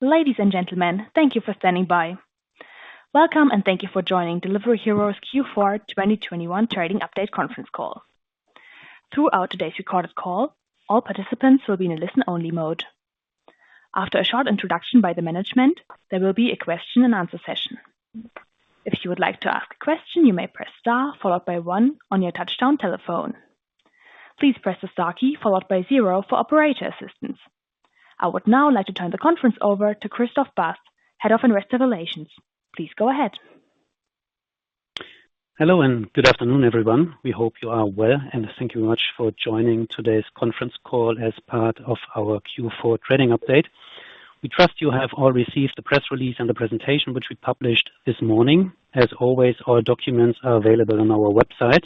Ladies and gentlemen, thank you for standing by. Welcome, and thank you for joining Delivery Hero's Q4 2021 trading update conference call. Throughout today's recorded call, all participants will be in a listen-only mode. After a short introduction by the management, there will be a question-and-answer session. If you would like to ask a question, you may press star followed by one on your touchtone telephone. Please press the star key followed by zero for operator assistance. I would now like to turn the conference over to Christoph Bast, Head of Investor Relations. Please go ahead. Hello, and good afternoon, everyone. We hope you are well, and thank you very much for joining today's conference call as part of our Q4 2021 trading update. We trust you have all received the press release and the presentation, which we published this morning. As always, all documents are available on our website,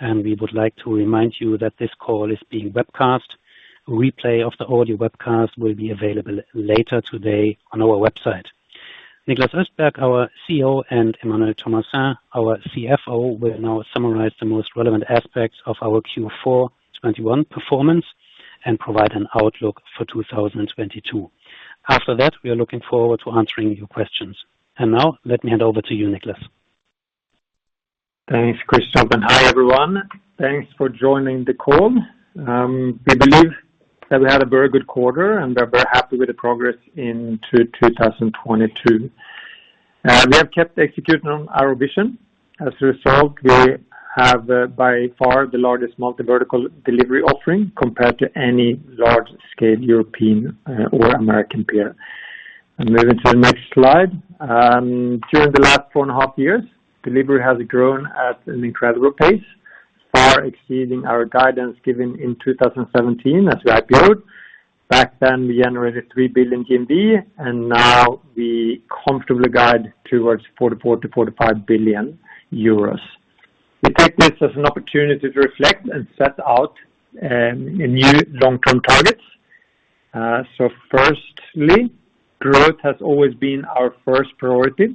and we would like to remind you that this call is being webcast. Replay of the audio webcast will be available later today on our website. Niklas Östberg, our CEO, and Emmanuel Thomassin, our CFO, will now summarize the most relevant aspects of our Q4 2021 performance and provide an outlook for 2022. After that, we are looking forward to answering your questions. Now let me hand over to you, Niklas. Thanks, Christoph, and hi, everyone. Thanks for joining the call. We believe that we had a very good quarter, and are very happy with the progress into 2022. We have kept executing on our vision. As a result, we have, by far the largest multi-vertical delivery offering compared to any large scale European or American peer. Moving to the next slide. During the last four and a half years, Delivery has grown at an incredible pace, far exceeding our guidance given in 2017 as we IPOed. Back then, we generated 3 billion GMV, and now we comfortably guide towards 44 billion-45 billion euros. We take this as an opportunity to reflect and set out new long-term targets. Firstly, growth has always been our first priority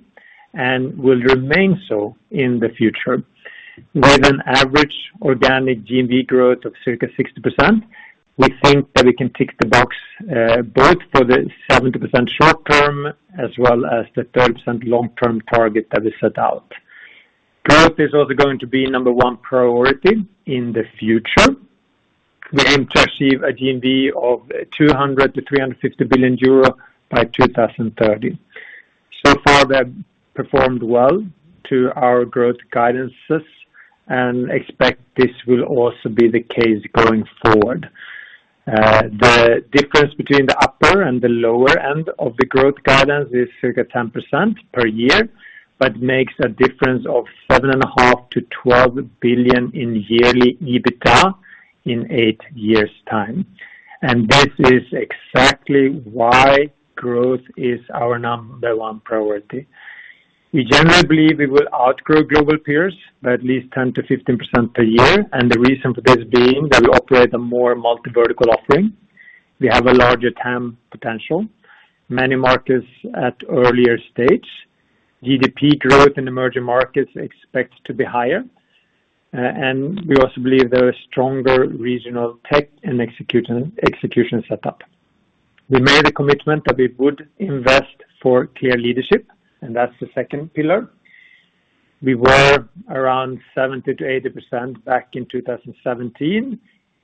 and will remain so in the future. With an average organic GMV growth of circa 60%, we think that we can tick the box, both for the 70% short term as well as the 30% long-term target that we set out. Growth is also going to be number one priority in the future. We aim to achieve a GMV of 200 billion-350 billion euro by 2030. So far they have performed well to our growth guidances and expect this will also be the case going forward. The difference between the upper and the lower end of the growth guidance is circa 10% per year, but makes a difference of 7.5 billion-12 billion in yearly EBITDA in eight years' time. This is exactly why growth is our number one priority. We generally believe we will outgrow global peers by at least 10%-15% per year, and the reason for this being that we operate a more multi-vertical offering. We have a larger TAM potential. Many markets at earlier stage. GDP growth in emerging markets expect to be higher. And we also believe there is stronger regional tech and execution setup. We made a commitment that we would invest for clear leadership, and that's the second pillar. We were around 70%-80% back in 2017.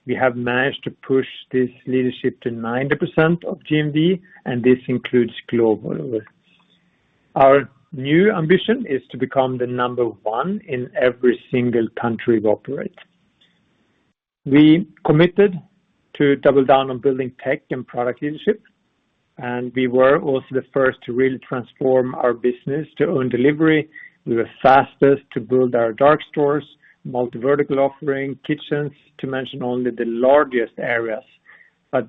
We have managed to push this leadership to 90% of GMV, and this includes global. Our new ambition is to become the number one in every single country we operate. We committed to double down on building tech and product leadership, and we were also the first to really transform our business to own delivery. We were fastest to build our dark stores, multi-vertical offering kitchens, to mention only the largest areas.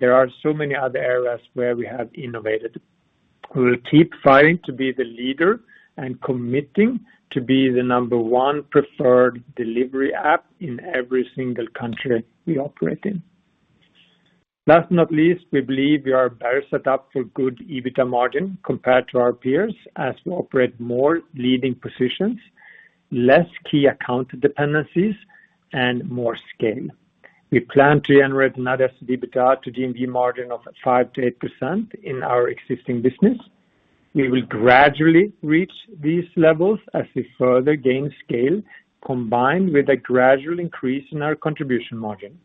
There are so many other areas where we have innovated. We will keep fighting to be the leader and committing to be the number one preferred delivery app in every single country we operate in. Last but not least, we believe we are better set up for good EBITDA margin compared to our peers as we operate more leading positions, less key account dependencies and more scale. We plan to generate another EBITDA to GMV margin of 5%-8% in our existing business. We will gradually reach these levels as we further gain scale, combined with a gradual increase in our contribution margin.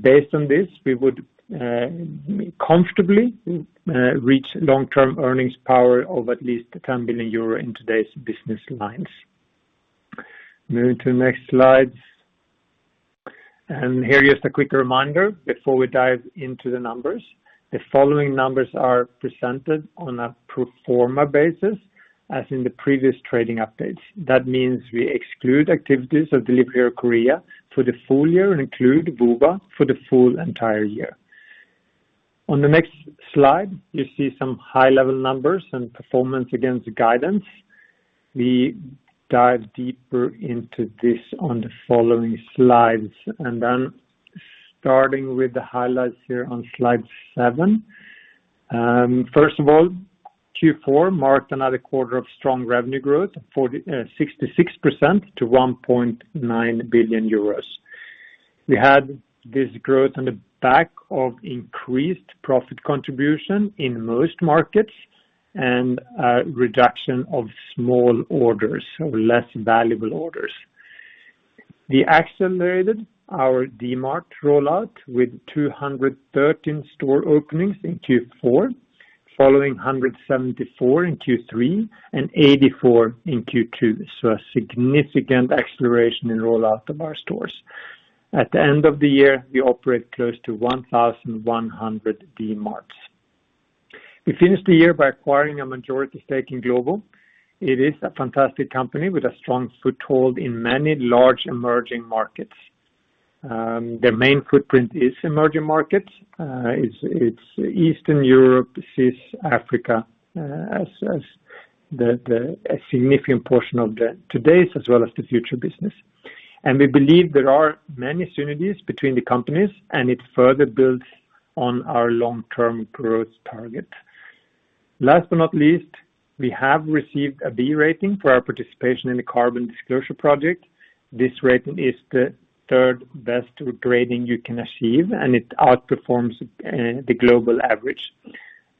Based on this, we would comfortably reach long-term earnings power of at least 10 billion euro in today's business lines. Moving to the next slide. Here is a quick reminder before we dive into the numbers. The following numbers are presented on a pro forma basis as in the previous trading updates. That means we exclude activities of Delivery Hero Korea for the full year and include Woowa for the full entire year. On the next slide, you see some high-level numbers and performance against guidance. We dive deeper into this on the following slides. Starting with the highlights here on slide seven. First of all, Q4 marked another quarter of strong revenue growth, 66% to 1.9 billion euros. We had this growth on the back of increased profit contribution in most markets and reduction of small orders or less valuable orders. We accelerated our Dmart rollout with 213 store openings in Q4, following 174 in Q3 and 84 in Q2. A significant acceleration in rollout of our stores. At the end of the year, we operate close to 1,100 Dmarts. We finished the year by acquiring a majority stake in Glovo. It is a fantastic company with a strong foothold in many large emerging markets. Their main footprint is emerging markets. It's Eastern Europe, CIS, Africa, as a significant portion of today's as well as the future business. We believe there are many synergies between the companies, and it further builds on our long-term growth target. Last but not least, we have received a B rating for our participation in the Carbon Disclosure Project. This rating is the third best grading you can achieve, and it outperforms the global average.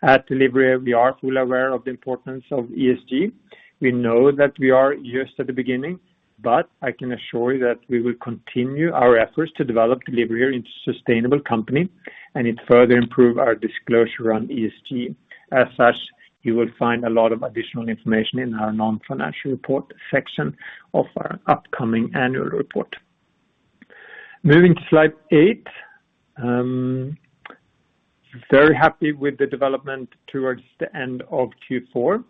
At Delivery Hero, we are fully aware of the importance of ESG. We know that we are just at the beginning, but I can assure you that we will continue our efforts to develop Delivery Hero into a sustainable company, and to further improve our disclosure on ESG. As such, you will find a lot of additional information in our non-financial report section of our upcoming annual report. Moving to slide eight. Very happy with the development towards the end of Q4.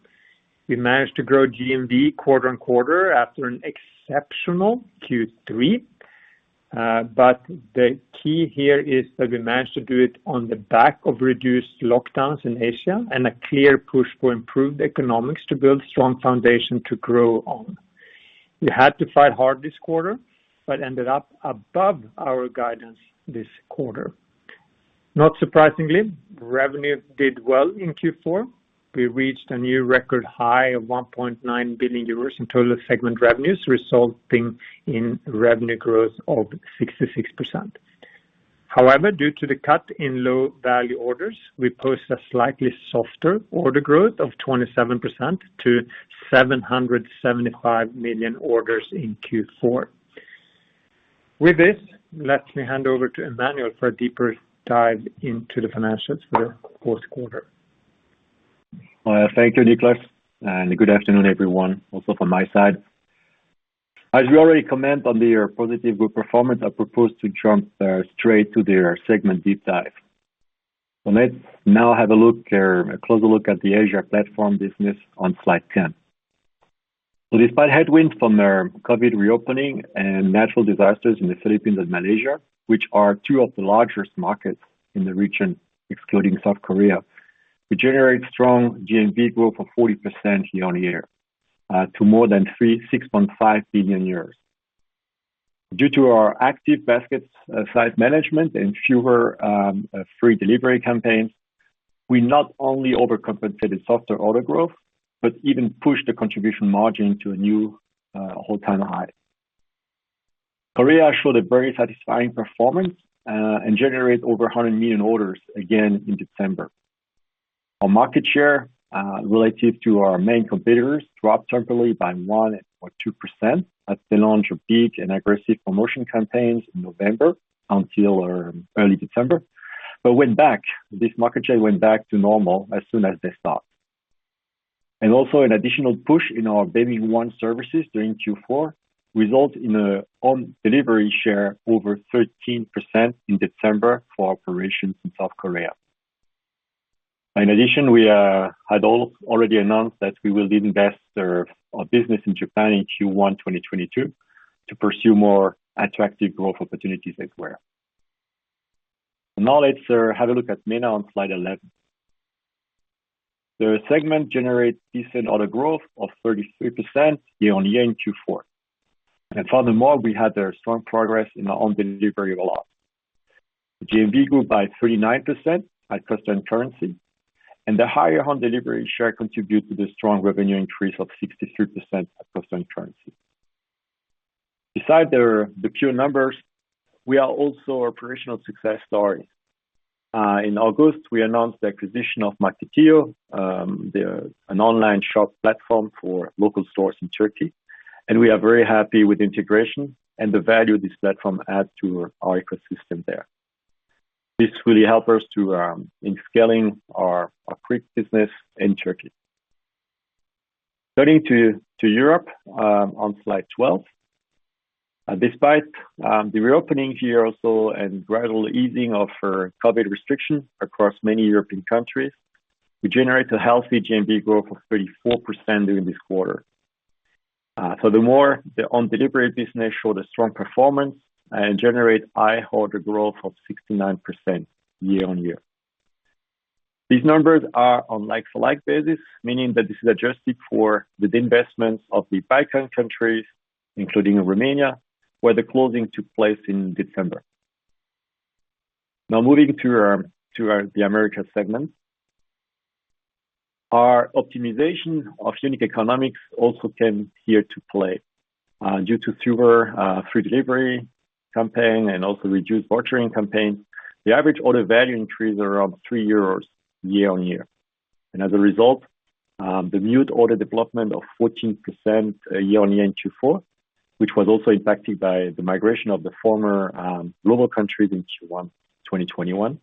We managed to grow GMV quarter-on-quarter after an exceptional Q3. But the key here is that we managed to do it on the back of reduced lockdowns in Asia and a clear push for improved economics to build strong foundation to grow on. We had to fight hard this quarter, but ended up above our guidance this quarter. Not surprisingly, revenue did well in Q4. We reached a new record high of 1.9 billion euros in total segment revenues, resulting in revenue growth of 66%. However, due to the cut in low value orders, we post a slightly softer order growth of 27% to 775 million orders in Q4. With this, let me hand over to Emmanuel for a deeper dive into the financials for the fourth quarter. Thank you, Niklas. Good afternoon, everyone, also from my side. As you already comment on the positive group performance, I propose to jump straight to the segment deep dive. Let's now have a look, a closer look at the Asia platform business on slide 10. Despite headwinds from our COVID reopening and natural disasters in the Philippines and Malaysia, which are two of the largest markets in the region, excluding South Korea, we generate strong GMV growth of 40% year-on-year to more than 6.5 billion euros. Due to our active basket size management and fewer free delivery campaigns, we not only overcompensated softer order growth, but even pushed the contribution margin to a new all-time high. Korea showed a very satisfying performance and generate over 100 million orders again in December. Our market share relative to our main competitors dropped temporarily by 1% or 2% as they launched big and aggressive promotion campaigns in November until early December, but went back. This market share went back to normal as soon as they started. Also an additional push in our Baemin One services during Q4 resulted in an own delivery share over 13% in December for operations in South Korea. In addition, we had already announced that we will divest our business in Japan in Q1 2022 to pursue more attractive growth opportunities elsewhere. Now let's have a look at MENA on slide 11. The segment generates decent order growth of 33% year-on-year in Q4. Furthermore, we had strong progress in our own delivery rollout. GMV grew by 39% at constant currency, and the higher own delivery share contribute to the strong revenue increase of 63% at constant currency. Besides the pure numbers, we are also a traditional success story. In August, we announced the acquisition of Marketyo, an online shop platform for local stores in Turkey. We are very happy with integration and the value this platform adds to our ecosystem there. This really help us in scaling our quick commerce in Turkey. Turning to Europe, on slide 12. Despite the reopening here also and gradual easing of COVID restrictions across many European countries, we generate a healthy GMV growth of 34% during this quarter. The own delivery business showed a strong performance and generate high order growth of 69% year-on-year. These numbers are on like-for-like basis, meaning that this is adjusted for the investments of the Glovo countries, including Romania, where the closing took place in December. Now moving to the Americas segment. Our optimization of unit economics also came here to play. Due to fewer free delivery campaigns and also reduced vouchering campaigns, the average order value increased around 3 euros year-on-year. As a result, the monthly order development of 14% year-on-year in Q4, which was also impacted by the migration of the former Glovo countries in Q1 2021.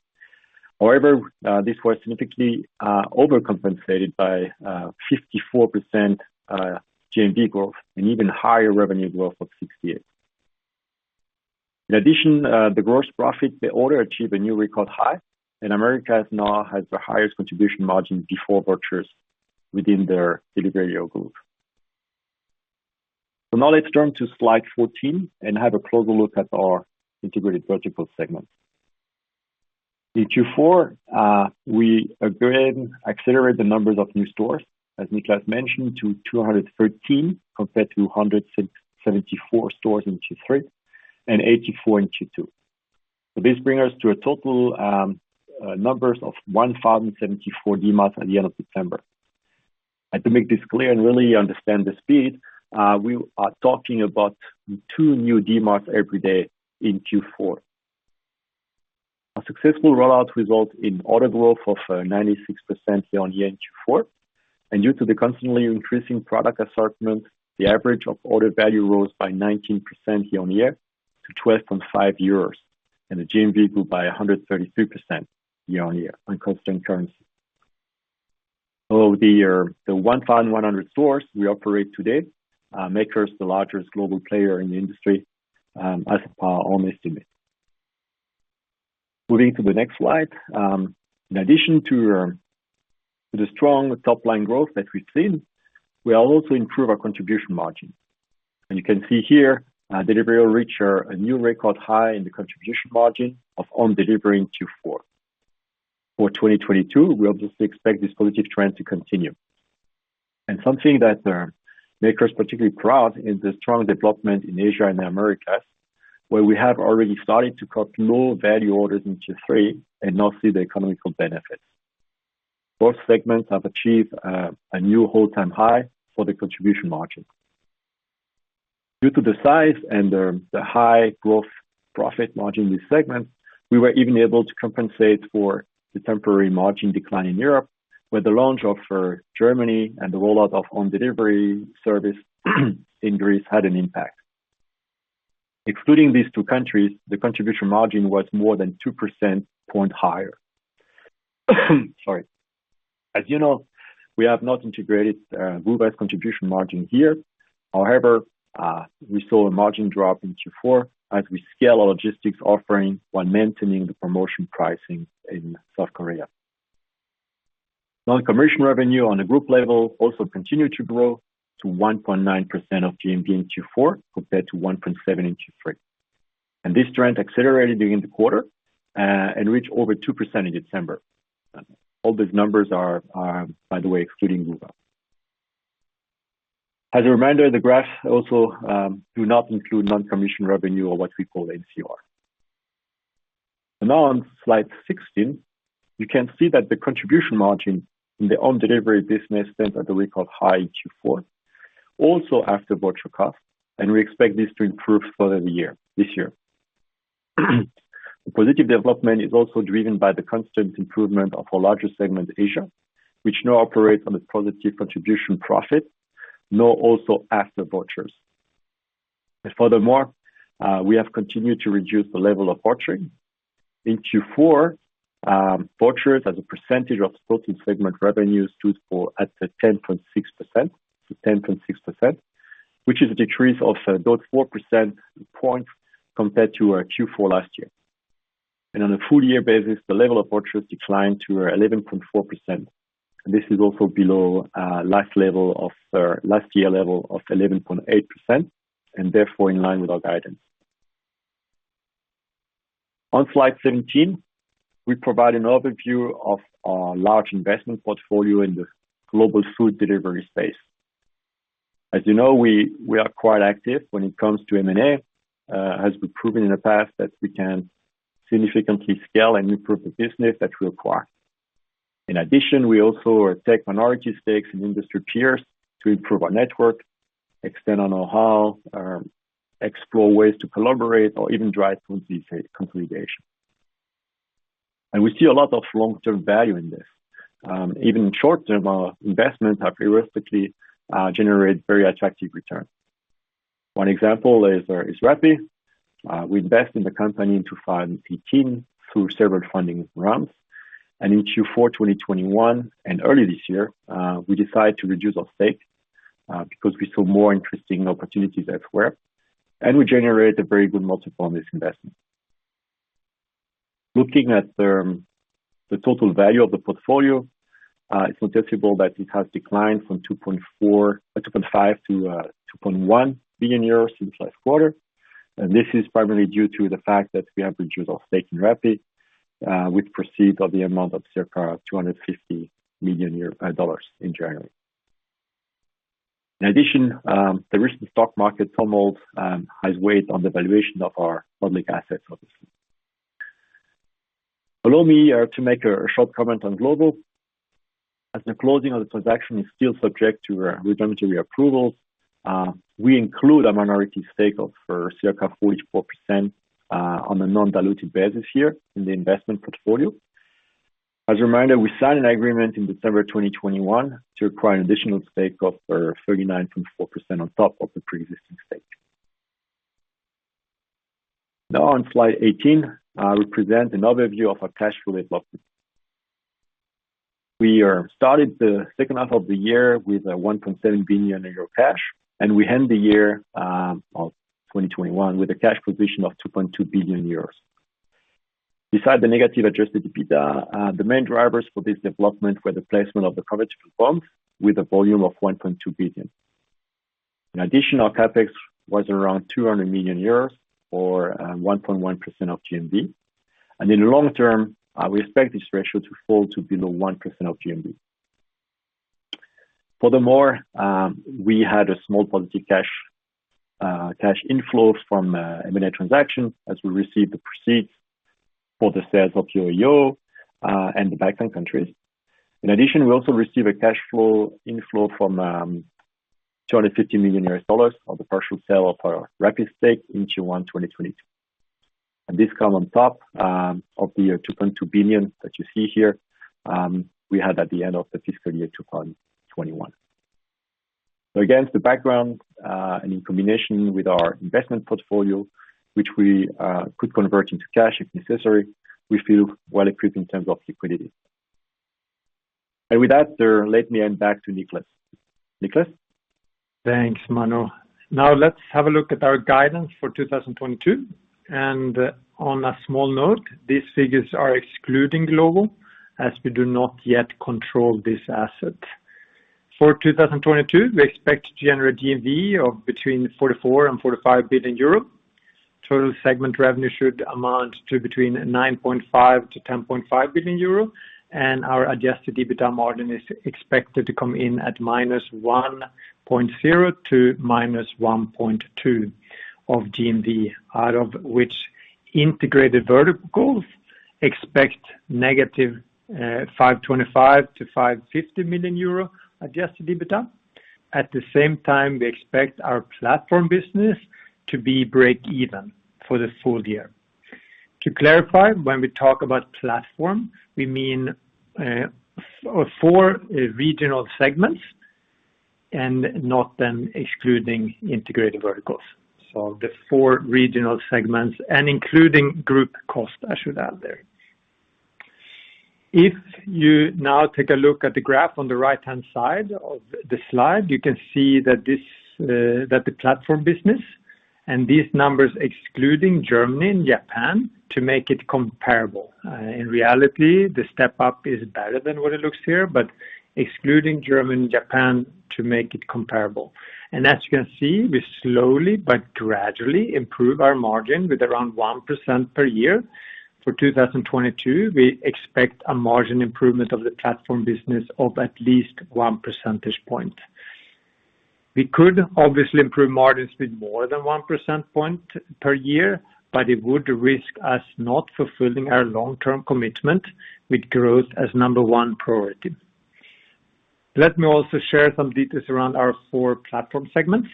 However, this was significantly overcompensated by 54% GMV growth and even higher revenue growth of 68%. In addition, the gross profit per order achieved a new record high, and Americas now has the highest contribution margin before vouchers within their delivery group. Now let's turn to slide 14 and have a closer look at our Integrated Verticals segment. In Q4, we again accelerate the numbers of new stores, as Niklas mentioned, to 213 compared to 174 stores in Q3 and 84 in Q2. This bring us to a total, numbers of 1,074 Dmarts at the end of September. To make this clear and really understand the speed, we are talking about two new Dmarts every day in Q4. A successful rollout result in order growth of 96% year-on-year in Q4. Due to the constantly increasing product assortment, the average of order value rose by 19% year-on-year to 12.5 euros, and the GMV grew by 133% year-on-year on constant currency. Over the year, the 1,100 stores we operate today makes us the largest global player in the industry, as per our estimate. Moving to the next slide. In addition to the strong top-line growth that we've seen, we also improve our contribution margin. You can see here, delivery will reach a new record high in the contribution margin of own delivery in Q4. For 2022, we obviously expect this positive trend to continue. Something that makes us particularly proud is the strong development in Asia and the Americas, where we have already started to cut low value orders in Q3 and now see the economic benefits. Both segments have achieved a new all-time high for the contribution margin. Due to the size and the high growth profit margin in this segment, we were even able to compensate for the temporary margin decline in Europe with the launch in Germany and the rollout of own delivery service in Greece had an impact. Excluding these two countries, the contribution margin was more than 2 percentage points higher. Sorry. As you know, we have not integrated Glovo's contribution margin here. However, we saw a margin drop in Q4 as we scale our logistics offering while maintaining the promotion pricing in South Korea. Non-commission revenue on a group level also continued to grow to 1.9% of GMV in Q4 compared to 1.7% in Q3. This trend accelerated during the quarter and reached over 2% in December. All these numbers are, by the way, excluding Glovo. As a reminder, the graph also does not include non-commission revenue or what we call NCR. Now on slide 16, you can see that the contribution margin in the own delivery business stands at a record high in Q4, also after voucher cost, and we expect this to improve further the year, this year. The positive development is also driven by the constant improvement of our larger segment, Asia, which now operates on a positive contribution profit, now also after vouchers. Furthermore, we have continued to reduce the level of vouchering. In Q4, vouchers as a percentage of reported segment revenues stood at 10.6%, which is a decrease of about 4 percentage points compared to our Q4 last year. On a full year basis, the level of vouchers declined to 11.4%. This is also below last year's level of 11.8%, and therefore in line with our guidance. On slide 17, we provide an overview of our large investment portfolio in the global food delivery space. As you know, we are quite active when it comes to M&A. It has been proven in the past that we can significantly scale and improve the business that we acquire. In addition, we also take minority stakes in industry peers to improve our network, expand our know-how, explore ways to collaborate or even drive some consolidation. We see a lot of long-term value in this. Even short-term investments have realistically generated very attractive returns. One example is Rappi. We invest in the company in 2018 through several funding rounds. In Q4 2021 and early this year, we decided to reduce our stake because we saw more interesting opportunities elsewhere, and we generated a very good multiple on this investment. Looking at the total value of the portfolio, it's noticeable that it has declined from 2.5 billion to 2.1 billion euros since last quarter. This is primarily due to the fact that we have reduced our stake in Rappi with proceeds of the amount of circa $250 million in January. In addition, the recent stock market tumult has weighed on the valuation of our public assets obviously. Allow me to make a short comment on Glovo as the closing of the transaction is still subject to regulatory approvals. We include a minority stake of circa 44%, on a non-diluted basis here in the investment portfolio. As a reminder, we signed an agreement in December 2021 to acquire an additional stake of 39.4% on top of the preexisting stake. Now on slide 18, we present an overview of our cash flow development. We started the second half of the year with 1.7 billion euro cash, and we end the year of 2021 with a cash position of 2.2 billion euros. Besides the negative adjusted EBITDA, the main drivers for this development were the placement of the convertible bonds with a volume of 1.2 billion. In addition, our CapEx was around 200 million euros or 1.1% of GMV. In the long term, we expect this ratio to fall to below 1% of GMV. Furthermore, we had a small positive cash inflows from M&A transactions as we received the proceeds for the sales of Yogiyo and the Balkan countries. In addition, we also received a cash flow inflow from $250 million of the partial sale of our Rappi stake in Q1 2022. This come on top of the 2.2 billion that you see here we had at the end of the fiscal year 2021. Against the background and in combination with our investment portfolio, which we could convert into cash if necessary, we feel well-equipped in terms of liquidity. With that, let me hand back to Niklas. Niklas? Thanks, Emmanuel. Now let's have a look at our guidance for 2022. On a small note, these figures are excluding Glovo as we do not yet control this asset. For 2022, we expect to generate GMV of between 44 billion euro and 45 billion euro. Total segment revenue should amount to between 9.5 billion and 10.5 billion euro. Our adjusted EBITDA margin is expected to come in at -1.0% to -1.2% of GMV, out of which Integrated Verticals expect negative 525 million to 550 million euro adjusted EBITDA. At the same time, we expect our platform business to be break even for the full year. To clarify, when we talk about platform, we mean four regional segments and not them excluding Integrated Verticals. The four regional segments and including group cost, I should add there. If you now take a look at the graph on the right-hand side of the slide, you can see that this, that the platform business and these numbers excluding Germany and Japan to make it comparable. In reality, the step up is better than what it looks like here, but excluding Germany and Japan to make it comparable. As you can see, we slowly but gradually improve our margin with around 1% per year. For 2022, we expect a margin improvement of the platform business of at least 1 percentage point. We could obviously improve margins with more than 1 percentage point per year, but it would risk us not fulfilling our long-term commitment with growth as number one priority. Let me also share some details around our four platform segments.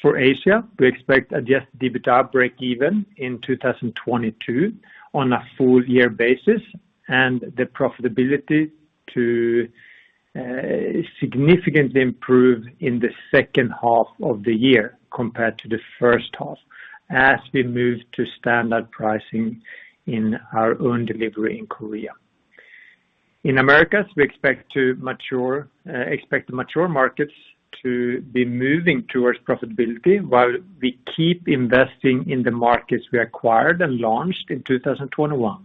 For Asia, we expect adjusted EBITDA break even in 2022 on a full year basis, and the profitability to significantly improve in the second half of the year compared to the first half as we move to standard pricing in our own delivery in Korea. In Americas, we expect the mature markets to be moving towards profitability while we keep investing in the markets we acquired and launched in 2021.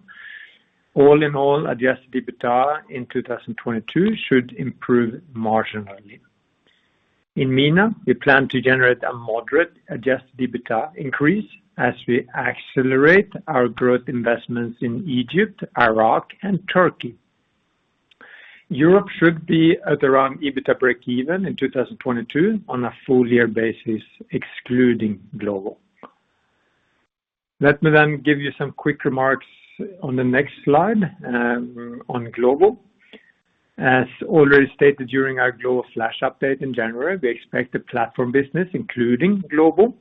All in all, adjusted EBITDA in 2022 should improve marginally. In MENA, we plan to generate a moderate adjusted EBITDA increase as we accelerate our growth investments in Egypt, Iraq, and Turkey. Europe should be at around EBITDA break even in 2022 on a full year basis, excluding Glovo. Let me give you some quick remarks on the next slide, on Glovo. As already stated during our Glovo flash update in January, we expect the platform business, including Glovo,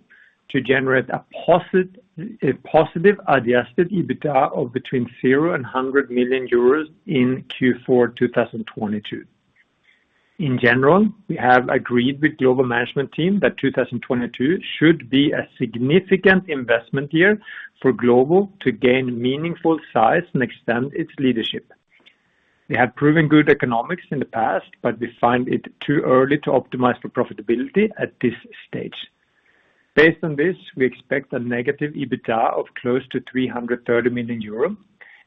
to generate a positive adjusted EBITDA of between 0 million euros and 100 million euros in Q4 2022. In general, we have agreed with Glovo management team that 2022 should be a significant investment year for Glovo to gain meaningful size and extend its leadership. They have proven good economics in the past, but we find it too early to optimize for profitability at this stage. Based on this, we expect a negative EBITDA of close to 330 million euro.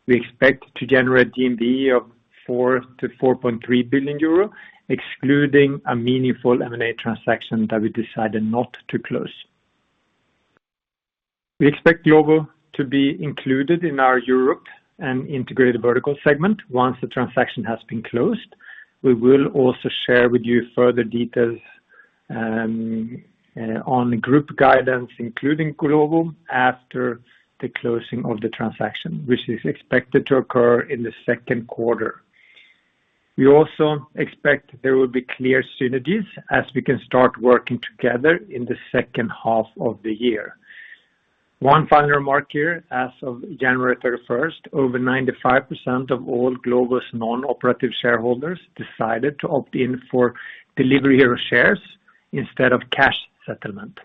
We expect to generate GMV of 4 billion-4.3 billion euro, excluding a meaningful M&A transaction that we decided not to close. We expect Glovo to be included in our Europe and Integrated Verticals segment once the transaction has been closed. We will also share with you further details on group guidance, including Glovo after the closing of the transaction, which is expected to occur in the second quarter. We also expect there will be clear synergies as we can start working together in the second half of the year. One final remark here. As of January 31st, over 95% of all Glovo's non-operative shareholders decided to opt in for Delivery Hero shares instead of cash settlement.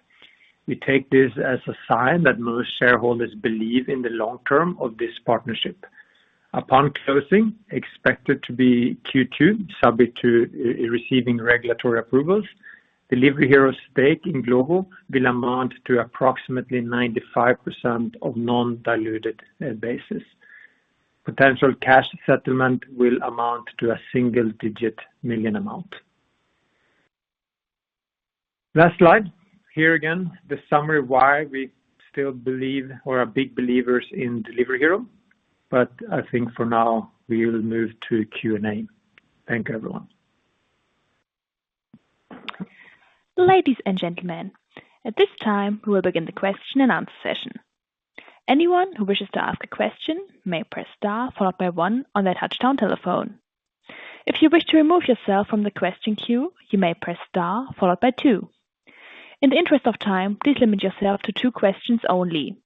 We take this as a sign that most shareholders believe in the long term of this partnership. Upon closing, expected to be Q2, subject to receiving regulatory approvals, Delivery Hero's stake in Glovo will amount to approximately 95% on a non-diluted basis. Potential cash settlement will amount to a single-digit million amount. Last slide. Here again, the summary why we still believe or are big believers in Delivery Hero. I think for now, we will move to Q&A. Thank everyone. Ladies and gentlemen, at this time, we will begin the question-and-answer session. Anyone who wishes to ask a question may press star followed by one on their touchtone telephone. If you wish to remove yourself from the question queue, you may press star followed by two. In the interest of time, please limit yourself to two questions only.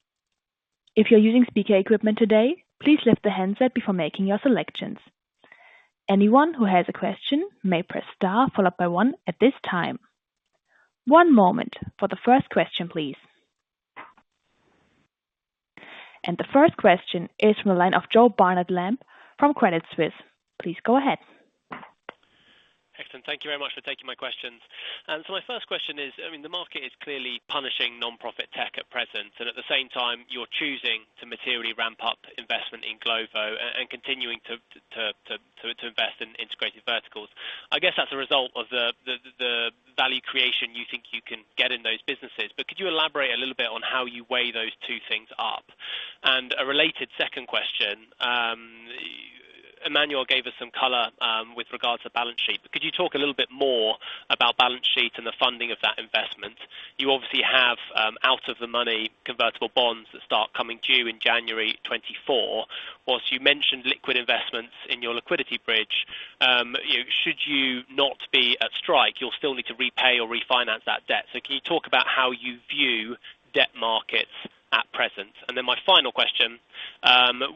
If you're using speaker equipment today, please lift the handset before making your selections. Anyone who has a question may press star followed by one at this time. One moment for the first question, please. The first question is from the line of Joseph Barnet-Lamb from Credit Suisse. Please go ahead. Excellent. Thank you very much for taking my questions. My first question is, I mean, the market is clearly punishing unprofitable tech at present, and at the same time, you're choosing to materially ramp up investment in Glovo and continuing to invest in Integrated Verticals. I guess that's a result of the value creation you think you can get in those businesses. Could you elaborate a little bit on how you weigh those two things up? A related second question. Emmanuel gave us some color with regards to balance sheet, but could you talk a little bit more about balance sheet and the funding of that investment? You obviously have out of the money convertible bonds that start coming due in January 2024. While you mentioned liquid investments in your liquidity bridge, you know, should you not be at risk, you'll still need to repay or refinance that debt. Can you talk about how you view debt markets at present? My final question.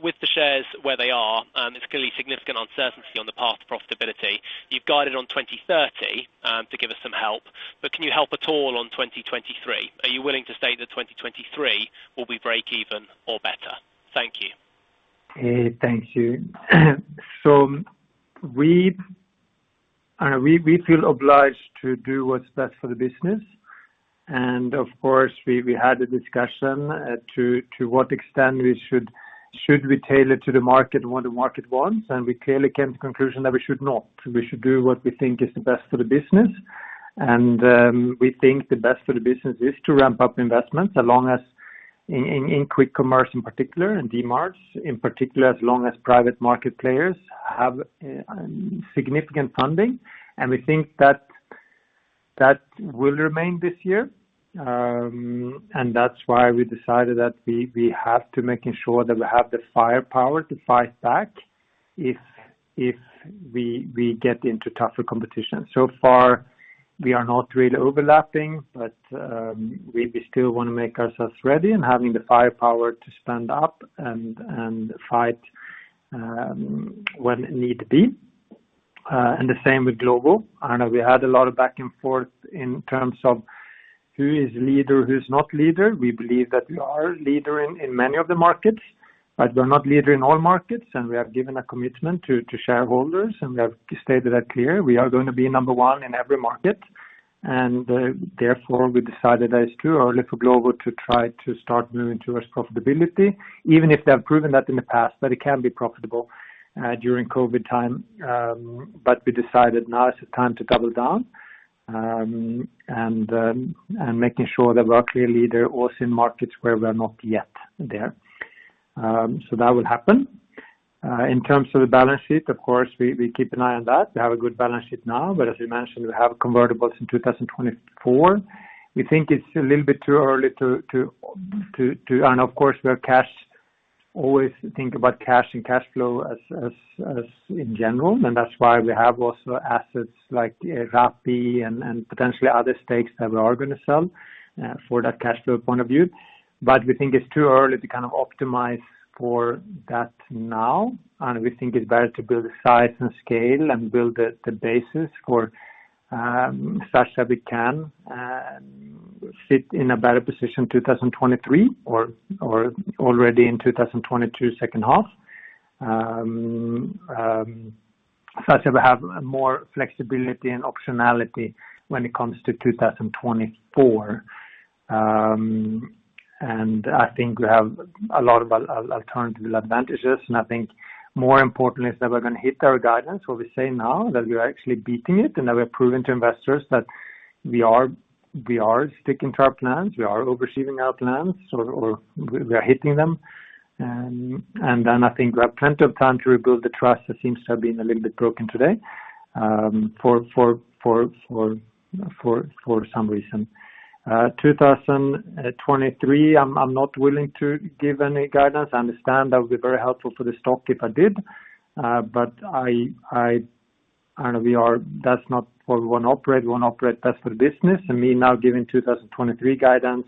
With the shares where they are, there's going to be significant uncertainty on the path to profitability. You've guided on 2030 to give us some help, but can you help at all on 2023? Are you willing to say that 2023 will be break even or better? Thank you. Thank you. We feel obliged to do what's best for the business. Of course, we had a discussion as to what extent we should tailor to the market and what the market wants. We clearly came to conclusion that we should not. We should do what we think is the best for the business. We think the best for the business is to ramp up investments as long as in quick commerce in particular, in Dmart in particular, as long as private market players have significant funding. We think that will remain this year. That's why we decided that we have to make sure that we have the firepower to fight back if we get into tougher competition. So far, we are not really overlapping, but we still want to make ourselves ready and having the firepower to stand up and fight when need be. The same with Glovo. I know we had a lot of back and forth in terms of who is leader, who's not leader. We believe that we are leader in many of the markets, but we're not leader in all markets, and we have given a commitment to shareholders, and we have stated that clear. We are going to be number one in every market. Therefore, we decided that it's too early for Glovo to try to start moving towards profitability, even if they have proven that in the past, that it can be profitable during COVID time. We decided now is the time to double down and making sure that we're clearly there also in markets where we're not yet there. That will happen. In terms of the balance sheet, of course, we keep an eye on that. We have a good balance sheet now, but as we mentioned, we have convertibles in 2024. We think it's a little bit too early to. Of course, we're cash. Always think about cash and cash flow as in general. That's why we have also assets like Rappi and potentially other stakes that we are going to sell for that cash flow point of view. We think it's too early to kind of optimize for that now. We think it's better to build the size and scale and build the basis for such that we can sit in a better position 2023 or already in 2022 second half. Such that we have more flexibility and optionality when it comes to 2024. I think we have a lot of alternative advantages. I think more importantly is that we're going to hit our guidance, what we say now, that we are actually beating it, and that we're proving to investors that we are sticking to our plans. We are overseeing our plans or we are hitting them. Then I think we have plenty of time to rebuild the trust that seems to have been a little bit broken today for some reason. 2023, I'm not willing to give any guidance. I understand that would be very helpful for the stock if I did. I know that's not where we want to operate. We want to operate best for the business. Me now giving 2023 guidance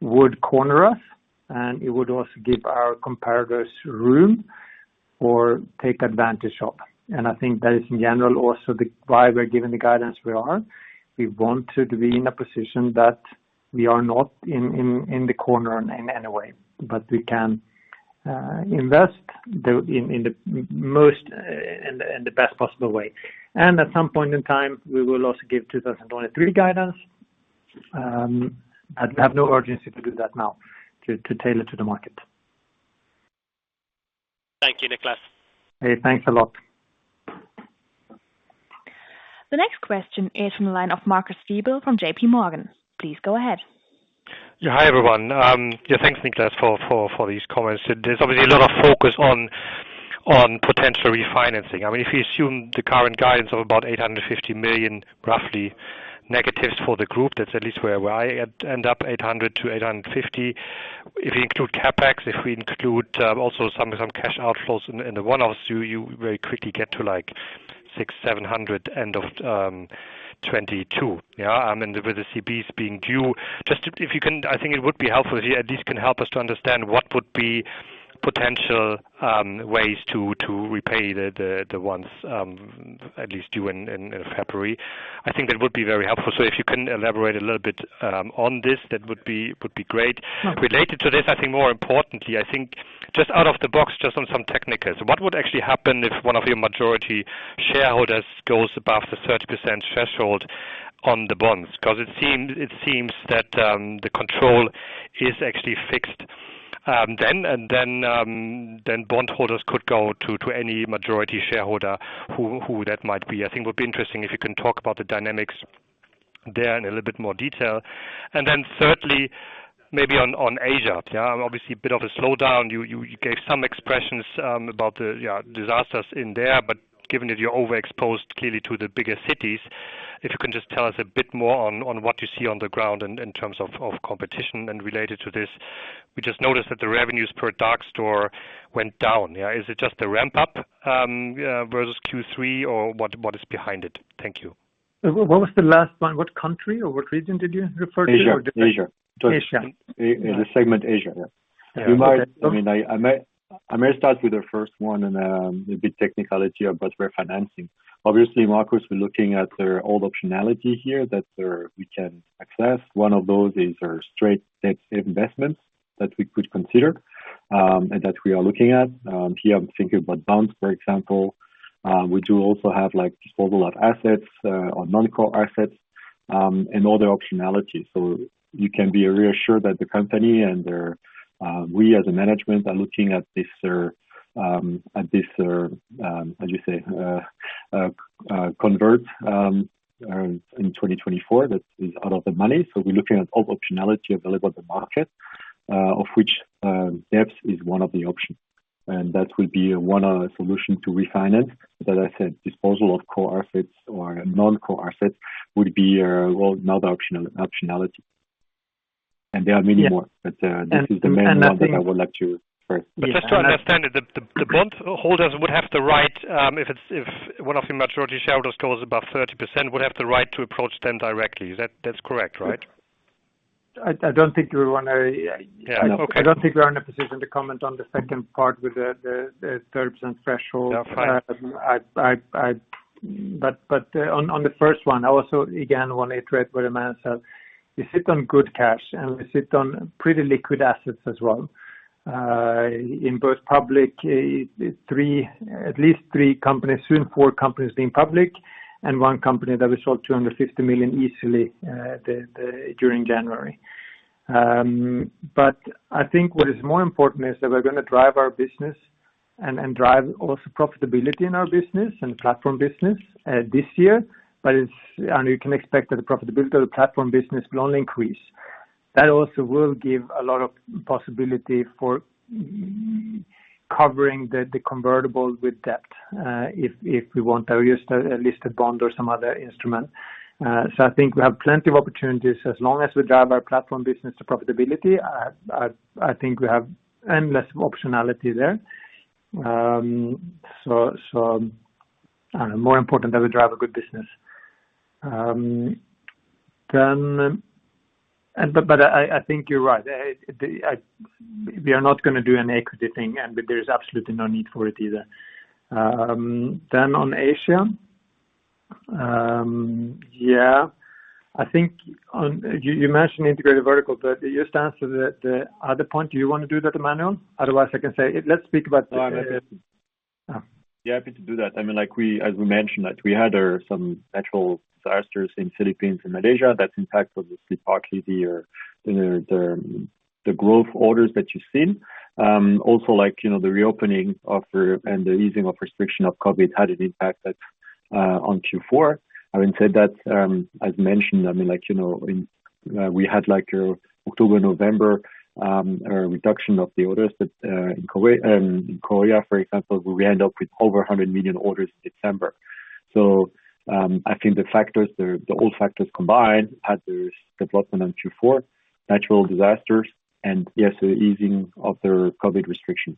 would corner us, and it would also give our competitors room or take advantage of. I think that is in general also the why we're giving the guidance we are. We want to be in a position that we are not in the corner in any way. But we can invest in the most in the best possible way. At some point in time, we will also give 2023 guidance. I have no urgency to do that now to tailor to the market. Thank you, Niklas. Hey, thanks a lot. The next question is from the line of Marcus Diebel from J.P. Morgan. Please go ahead. Yeah. Hi, everyone. Yeah, thanks, Niklas, for these comments. There's obviously a lot of focus on potential refinancing. I mean, if you assume the current guidance of about 850 million, roughly negatives for the group, that's at least where I end up, 800 million-850 million. If we include CapEx, if we include also some cash outflows in the one-offs, you very quickly get to, like, 600 million-700 million end of 2022. Yeah, I mean, with the CBs being due. Just if you can, I think it would be helpful, at least can help us to understand what would be potential ways to repay the ones at least due in February. I think that would be very helpful. If you can elaborate a little bit on this, that would be great. Related to this, I think more importantly, I think just out of the box, just on some technicals, what would actually happen if one of your majority shareholders goes above the 30% threshold on the bonds? Because it seems that the control is actually fixed then. Bondholders could go to any majority shareholder who that might be. I think it would be interesting if you can talk about the dynamics there in a little bit more detail. Thirdly, maybe on Asia. Yeah, obviously a bit of a slowdown. You gave some expressions about the disasters in there. Given that you're overexposed clearly to the bigger cities, if you can just tell us a bit more on what you see on the ground in terms of competition. Related to this, we just noticed that the revenues per dark store went down. Yeah. Is it just a ramp up versus Q3, or what is behind it? Thank you. What was the last one? What country or what region did you refer to? Asia. Asia. The segment Asia. Yeah. I mean, I may start with the first one and the technicality about refinancing. Obviously, Marcus, we're looking at all optionality here that we can access. One of those is our straight debt investments that we could consider, and that we are looking at. Here I'm thinking about bonds, for example. We do also have, like, disposal of assets, or non-core assets, and other optionalities. You can be reassured that the company, and we as management are looking at this, at this, how you say, convertible bonds in 2024. That is out of the money. We're looking at all optionality available in the market, of which, debt is one of the options. That would be one solution to refinance. As I said, disposal of core assets or non-core assets would be another optionality. There are many more. This is the main one that I would like to first- Just to understand it, the bondholders would have the right, if one of the majority shareholders goes above 30%, would have the right to approach them directly. That's correct, right? I don't think we want to. Yeah. Okay. I don't think we're in a position to comment on the second part with the 30% threshold. Yeah, fine. On the first one, I also again want to reiterate what Emmanuel said. We sit on good cash, and we sit on pretty liquid assets as well, in both public, at least three companies, soon four companies being public, and one company that we sold $250 million easily, during January. I think what is more important is that we're going to drive our business and drive also profitability in our business and platform business, this year. You can expect that the profitability of the platform business will only increase. That also will give a lot of possibility for covering the convertible with debt, if we want a listed bond or some other instrument. I think we have plenty of opportunities. As long as we drive our platform business to profitability, I think we have endless optionality there. I don't know, more important that we drive a good business. I think you're right. We are not going to do an equity thing, and there is absolutely no need for it either. On Asia, yeah, I think. You mentioned Integrated Verticals, but just so that is that the point you want to do that, Emmanuel? Otherwise, I can say, let's speak about the- No, I'm happy. Oh. Yeah, happy to do that. As we mentioned, we had some natural disasters in Philippines and Malaysia that impacted obviously partly the growth orders that you've seen. Also like, you know, the reopening and the easing of restriction of COVID had an impact on Q4. Having said that, as mentioned, I mean, like, you know, in October, November, a reduction of the orders that in Korea, for example, we end up with over 100 million orders in December. I think the factors, all the factors combined had those development on Q4, natural disasters and yes, the easing of their COVID restrictions.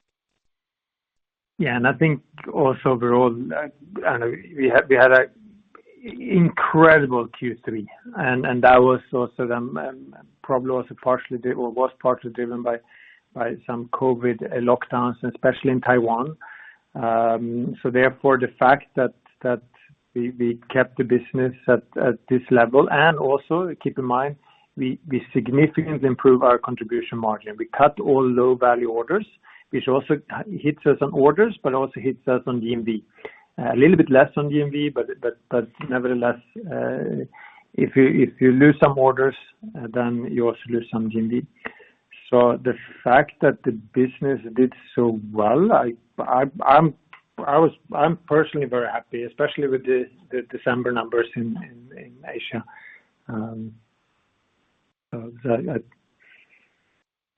Yeah. I think also overall, I know we had an incredible Q3, and that was also probably partially driven by some COVID lockdowns, especially in Taiwan. Therefore, the fact that we kept the business at this level, and also keep in mind, we significantly improve our contribution margin. We cut all low value orders, which also hits us on orders but also hits us on GMV. A little bit less on GMV, but nevertheless, if you lose some orders, then you also lose some GMV. The fact that the business did so well, I'm personally very happy, especially with the December numbers in Asia.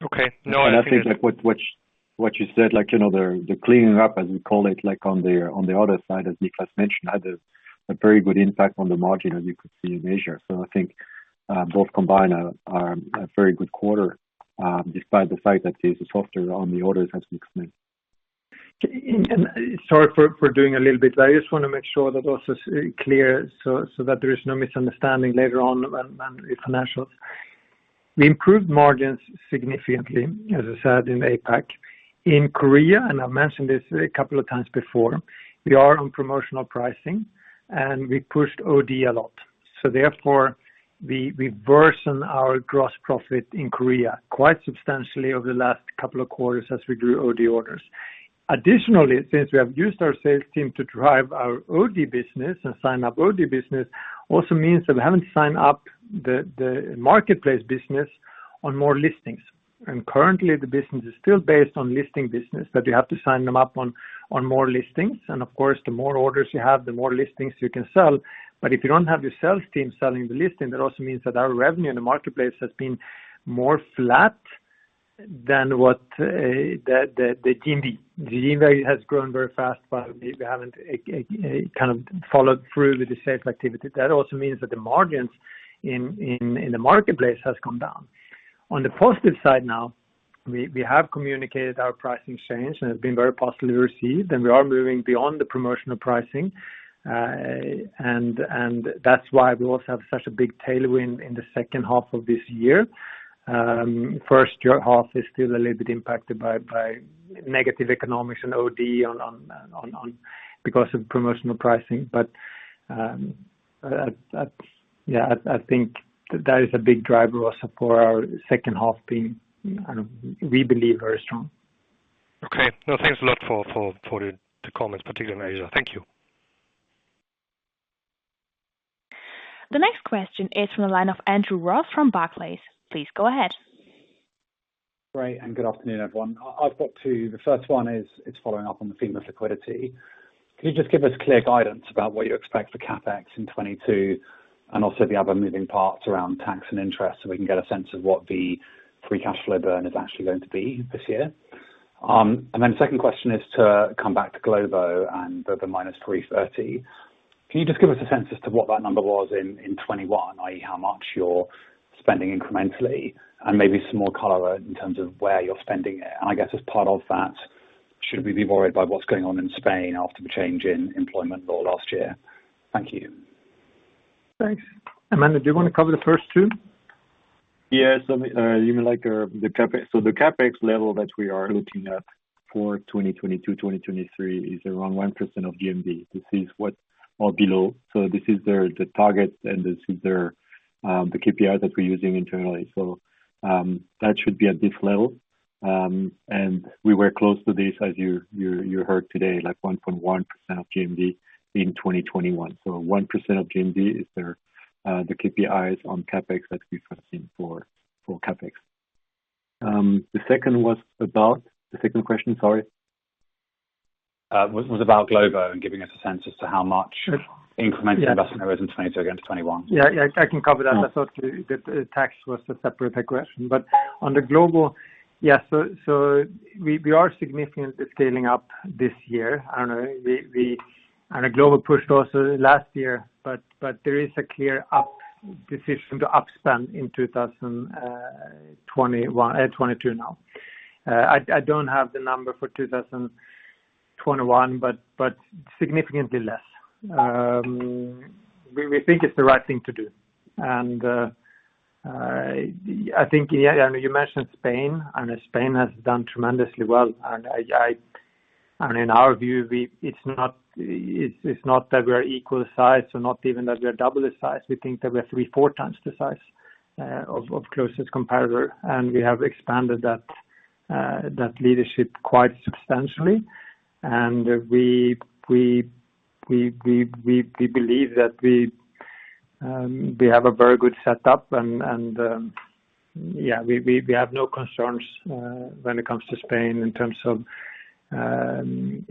Okay. No, I think. I think like what you said, like, you know, the cleaning up, as we call it, like on the other side, as Niklas mentioned, had a very good impact on the margin, as you could see in Asia. I think both combined are a very good quarter, despite the fact that the softness on the orders has been explained. Sorry for doing a little bit. I just want to make sure that also it's clear so that there is no misunderstanding later on when the financials. We improved margins significantly, as I said, in APAC. In Korea, I mentioned this a couple of times before. We are on promotional pricing, and we pushed OD a lot. Therefore, we worsen our gross profit in Korea quite substantially over the last couple of quarters as we grew OD orders. Additionally, since we have used our sales team to drive our OD business and sign up OD business, also means that we haven't signed up the marketplace business on more listings. Currently the business is still based on listing business, but we have to sign them up on more listings. Of course, the more orders you have, the more listings you can sell. If you don't have your sales team selling the listing, that also means that our revenue in the marketplace has been more flat than the GMV. The GMV has grown very fast, but we haven't kind of followed through with the sales activity. That also means that the margins in the marketplace has come down. On the positive side now, we have communicated our pricing change, and it's been very positively received, and we are moving beyond the promotional pricing. And that's why we also have such a big tailwind in the second half of this year. First half of the year is still a little bit impacted by negative economics and OD on because of promotional pricing. Yeah, I think that is a big driver also for our second half being, I don't know, we believe very strong. Okay. No, thanks a lot for the comments, particularly on Asia. Thank you. The next question is from the line of Andrew Ross from Barclays. Please go ahead. Great, good afternoon, everyone. I've got two. The first one is, it's following up on the theme of liquidity. Can you just give us clear guidance about what you expect for CapEx in 2022 and also the other moving parts around tax and interest, so we can get a sense of what the free cash flow burn is actually going to be this year? Then second question is to come back to Glovo and the -330. Can you just give us a sense as to what that number was in 2021, i.e., how much you're spending incrementally and maybe some more color in terms of where you're spending it? I guess as part of that, should we be worried by what's going on in Spain after the change in employment law last year? Thank you. Thanks. Emmanuel, do you wanna cover the first two? Yes. You mean like the CapEx? The CapEx level that we are looking at for 2022, 2023 is around 1% of GMV. This is that or below. This is the targets, and this is the KPI that we're using internally. That should be at this level. We were close to this as you heard today, like 1.1% of GMV in 2021. 1% of GMV is the KPIs on CapEx that we're forecasting for CapEx. The second was about? The second question, sorry. It was about Glovo and giving us a sense as to how much incremental investment there was in 2022 against 2021. Yeah. Yeah. I can cover that. I thought the tax was a separate question. On Glovo, yes, we are significantly scaling up this year. I don't know, on Glovo we pushed also last year, but there is a clear decision to up spend in 2021, 2022 now. I don't have the number for 2021, but significantly less. We think it's the right thing to do. I think, yeah, I know you mentioned Spain. I know Spain has done tremendously well. In our view, it's not that we are equal size or not even that we are double the size. We think that we're three, four times the size of closest competitor, and we have expanded that leadership quite substantially. We believe that they have a very good setup and we have no concerns when it comes to Spain in terms of the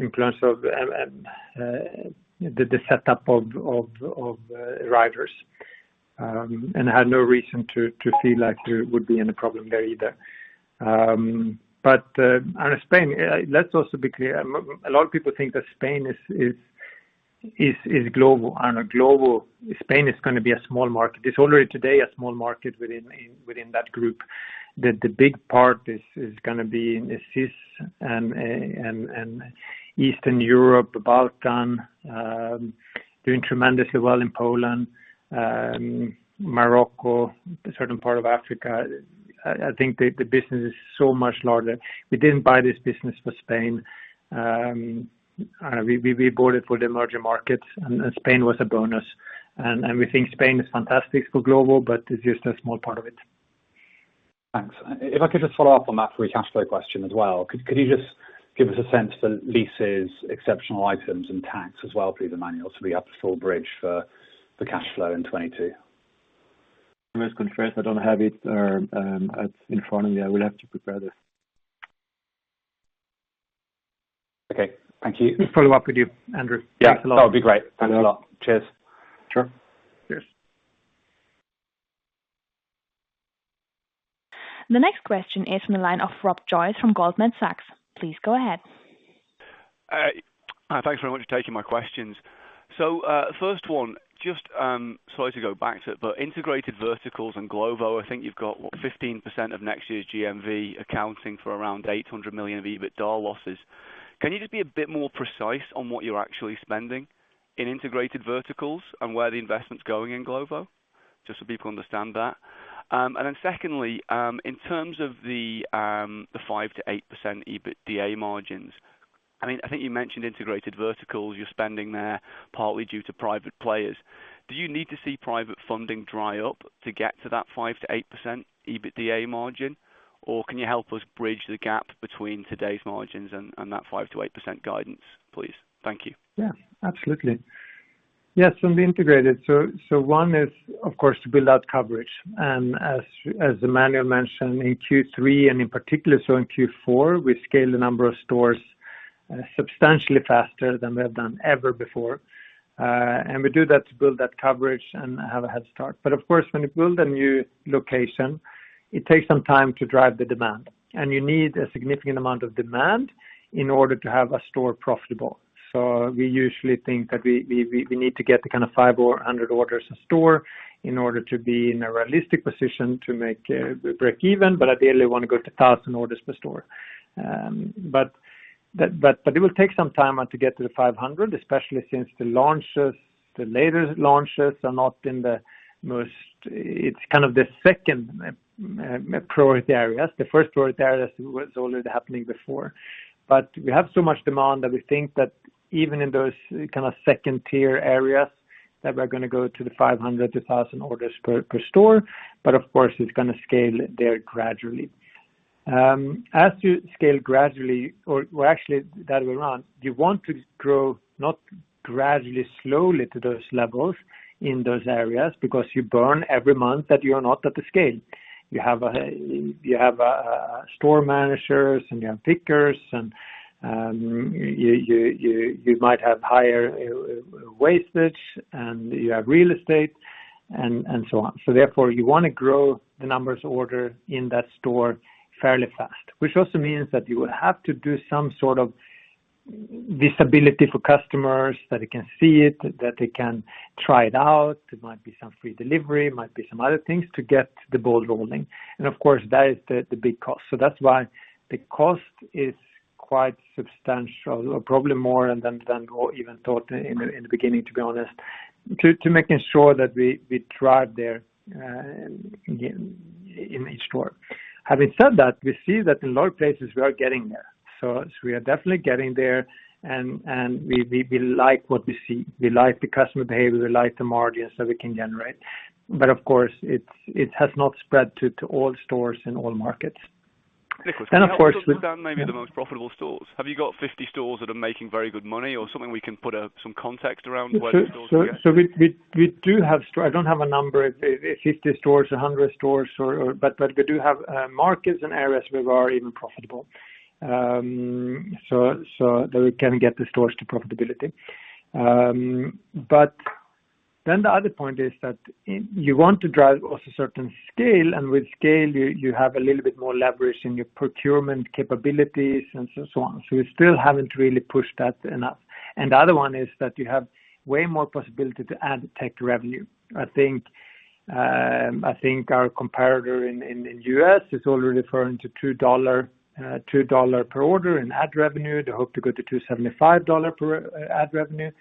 setup of riders and had no reason to feel like there would be any problem there either. Spain, let's also be clear. A lot of people think that Spain is Glovo. On a global, Spain is going to be a small market. It's already today a small market within that group that the big part is going to be in the CIS and Eastern Europe, the Balkans, doing tremendously well in Poland, Morocco, a certain part of Africa. I think the business is so much larger. We didn't buy this business for Spain. We bought it for the emerging markets, and Spain was a bonus. We think Spain is fantastic for Glovo, but it's just a small part of it. Thanks. If I could just follow up on that free cash flow question as well. Could you just give us a sense for leases, exceptional items and tax as well through the manuals so we have the full bridge for the cash flow in 2022? I must confess, I don't have it or in front of me. I will have to prepare this. Okay. Thank you. We'll follow up with you, Andrew. Yeah. Thanks a lot. That'll be great. Thanks a lot. Cheers. Sure. Cheers. The next question is from the line of Rob Joyce from Goldman Sachs. Please go ahead. Thanks very much for taking my questions. First one, just sorry to go back to it, but Integrated Verticals and Glovo, I think you've got what, 15% of next year's GMV accounting for around 800 million of EBITDA losses. Can you just be a bit more precise on what you're actually spending in Integrated Verticals and where the investment's going in Glovo? Just so people understand that. Second, in terms of the 5%-8% EBITDA margins, I mean, I think you mentioned Integrated Verticals, you're spending there partly due to private players. Do you need to see private funding dry up to get to that 5%-8% EBITDA margin? Or can you help us bridge the gap between today's margins and that 5%-8% guidance, please? Thank you. Yeah, absolutely. Yes, on the Integrated. One is, of course, to build out coverage. As Emmanuel mentioned in Q3, and in particular, so in Q4, we scale the number of stores substantially faster than we have done ever before. We do that to build that coverage and have a head start. Of course, when you build a new location, it takes some time to drive the demand, and you need a significant amount of demand in order to have a store profitable. We usually think that we need to get the kind of five or 100 orders per store in order to be in a realistic position to break even. Ideally, we want to go to 1,000 orders per store. It will take some time to get to the 500, especially since the launches, the latest launches are not in the most. It's kind of the second priority areas. The first priority areas was already happening before. We have so much demand that we think that even in those kind of second-tier areas, that we're going to go to the 500-1,000 orders per store. Of course, it's going to scale there gradually. As you scale gradually or actually the other way around, you want to grow not gradually, slowly to those levels in those areas because you burn every month that you are not at the scale. You have a store managers and you have pickers and you might have higher wastage and you have real estate and so on. Therefore, you want to grow the number of orders in that store fairly fast, which also means that you will have to do some sort of visibility for customers, that they can see it, that they can try it out. It might be some free delivery, it might be some other things to get the ball rolling. Of course, that is the big cost. That's why the cost is quite substantial, probably more than even thought in the beginning, to be honest, to making sure that we drive there in each store. Having said that, we see that in a lot of places we are getting there. We are definitely getting there and we like what we see. We like the customer behavior, we like the margins that we can generate. Of course, it has not spread to all stores in all markets. Niklas- Of course with- Can I also understand maybe the most profitable stores? Have you got 50 stores that are making very good money or something we can put up some context around what stores we have? We do have stores. I don't have a number if it's 50 stores, 100 stores or, but we do have markets and areas where we are even profitable, that we can get the stores to profitability. But then the other point is that you want to drive also certain scale, and with scale, you have a little bit more leverage in your procurement capabilities and so on. We still haven't really pushed that enough. The other one is that you have way more possibility to add tech revenue. I think our competitor in the U.S. is already referring to $2 per order in ad revenue. They hope to go to $2.75 per ad revenue.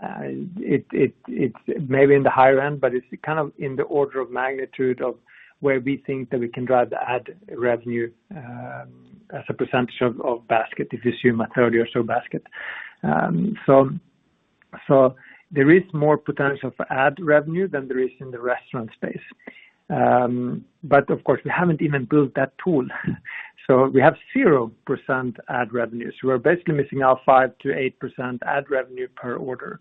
It's maybe in the higher end, but it's kind of in the order of magnitude of where we think that we can drive the ad revenue, as a percentage of basket, if you assume a 30 or so basket. There is more potential for ad revenue than there is in the restaurant space. But of course, we haven't even built that tool. We have 0% ad revenues. We're basically missing our 5%-8% ad revenue per order.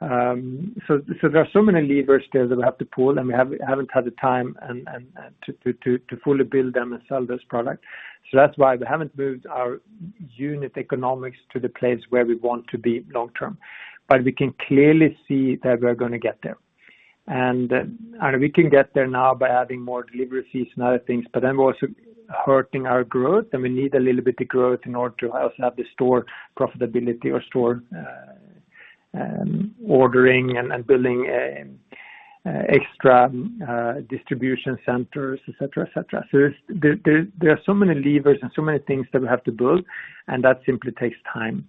There are so many levers there that we have to pull, and we haven't had the time and to fully build them and sell this product. That's why we haven't moved our unit economics to the place where we want to be long term. We can clearly see that we're gonna get there. We can get there now by adding more delivery fees and other things, but then we're also hurting our growth, and we need a little bit of growth in order to also have the store profitability or store ordering and building extra distribution centers, et cetera, et cetera. There are so many levers and so many things that we have to build, and that simply takes time.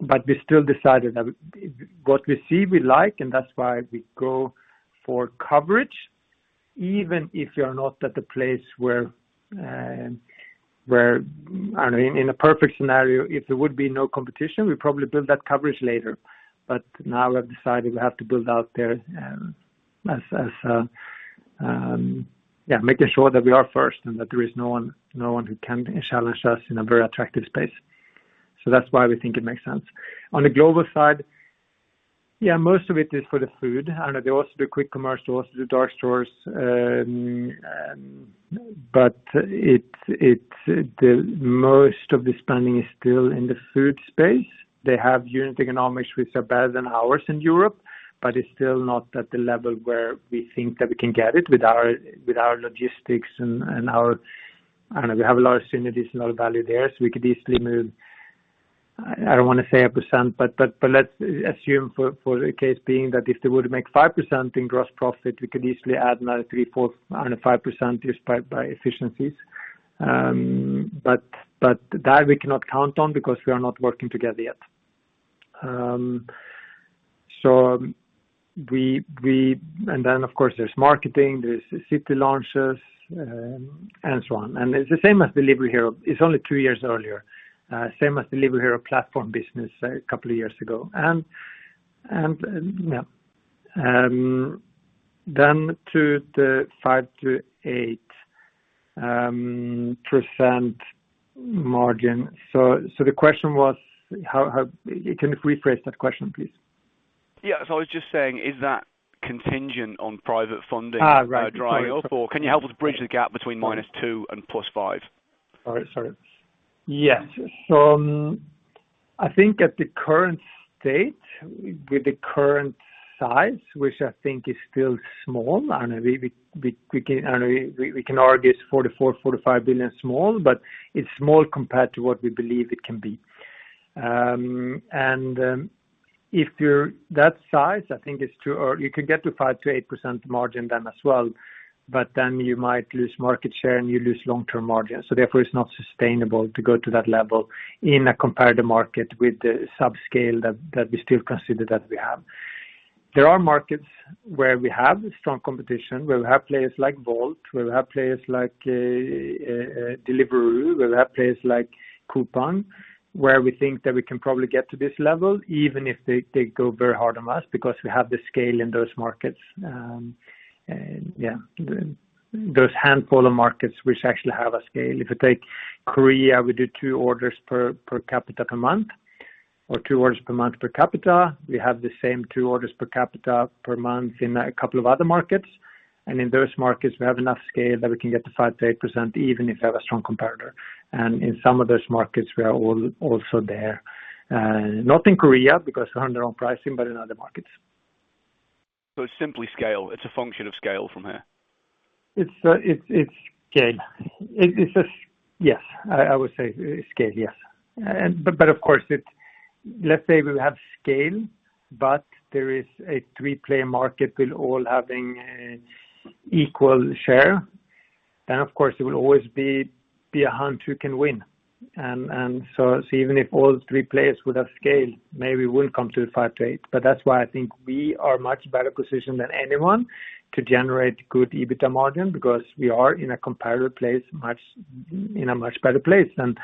We still decided that what we see, we like, and that's why we go for coverage, even if you're not at the place where I don't know. In a perfect scenario, if there would be no competition, we probably build that coverage later. Now we've decided we have to build out there, making sure that we are first and that there is no one who can challenge us in a very attractive space. That's why we think it makes sense. On the Glovo side, most of it is for the food. I know they also do quick commerce, they also do dark stores. It's the most of the spending is still in the food space. They have unit economics which are better than ours in Europe, but it's still not at the level where we think that we can get it with our logistics and our. I don't know. We have a lot of synergies additional value there, so we could easily move. I don't want to say a percent, but let's assume for the time being that if they would make 5% in gross profit, we could easily add another 3%, 4%, and 5% just by efficiencies. But that we cannot count on because we are not working together yet. Then of course, there's marketing, there's city launches, and so on. It's the same as Delivery Hero. It's only two years earlier. Same as Delivery Hero platform business a couple of years ago. Yeah. Then to the 5%-8% margin. The question was how. Can you rephrase that question, please? Yeah. I was just saying, is that contingent on private funding drying up, or can you help us bridge the gap between -2% and +5%? I think at the current state, with the current size, which I think is still small. We can argue it's 44 billion-45 billion small, but it's small compared to what we believe it can be. If you're that size, I think it's too early. You could get to 5%-8% margin then as well, but then you might lose market share, and you lose long-term margin. Therefore, it's not sustainable to go to that level in a competitive market with the subscale that we still consider that we have. There are markets where we have strong competition, where we have players like Bolt, where we have players like Deliveroo, where we have players like Coupang, where we think that we can probably get to this level, even if they go very hard on us because we have the scale in those markets. A handful of markets which actually have a scale. If you take Korea, we do two orders per capita per month or two orders per month per capita. We have the same two orders per capita per month in a couple of other markets. In those markets, we have enough scale that we can get to 5%-8%, even if we have a strong competitor. In some of those markets, we are also there. Not in Korea because they run their own pricing, but in other markets. It's simply scale. It's a function of scale from here. It's scale. Yes. I would say scale, yes. But of course it's. Let's say we have scale, but there is a three-player market with all having equal share, then of course there will always be a hunt who can win. So even if all three players would have scale, maybe we'll come to the 5%-8%. That's why I think we are much better positioned than anyone to generate good EBITDA margin because we are in a comparative place much in a much better place than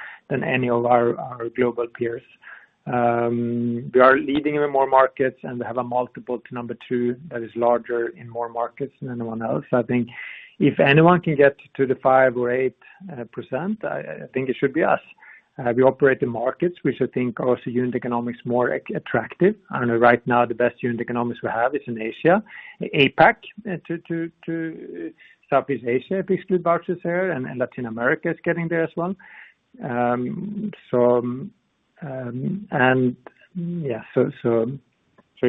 any of our global peers. We are leading in more markets and have a multiple to number two that is larger in more markets than anyone else. I think if anyone can get to the 5% or 8%, I think it should be us. We operate in markets which I think are also unit economics more attractive. I know right now the best unit economics we have is in Asia, APAC to Southeast Asia, basically it's there, and Latin America is getting there as well. Yeah.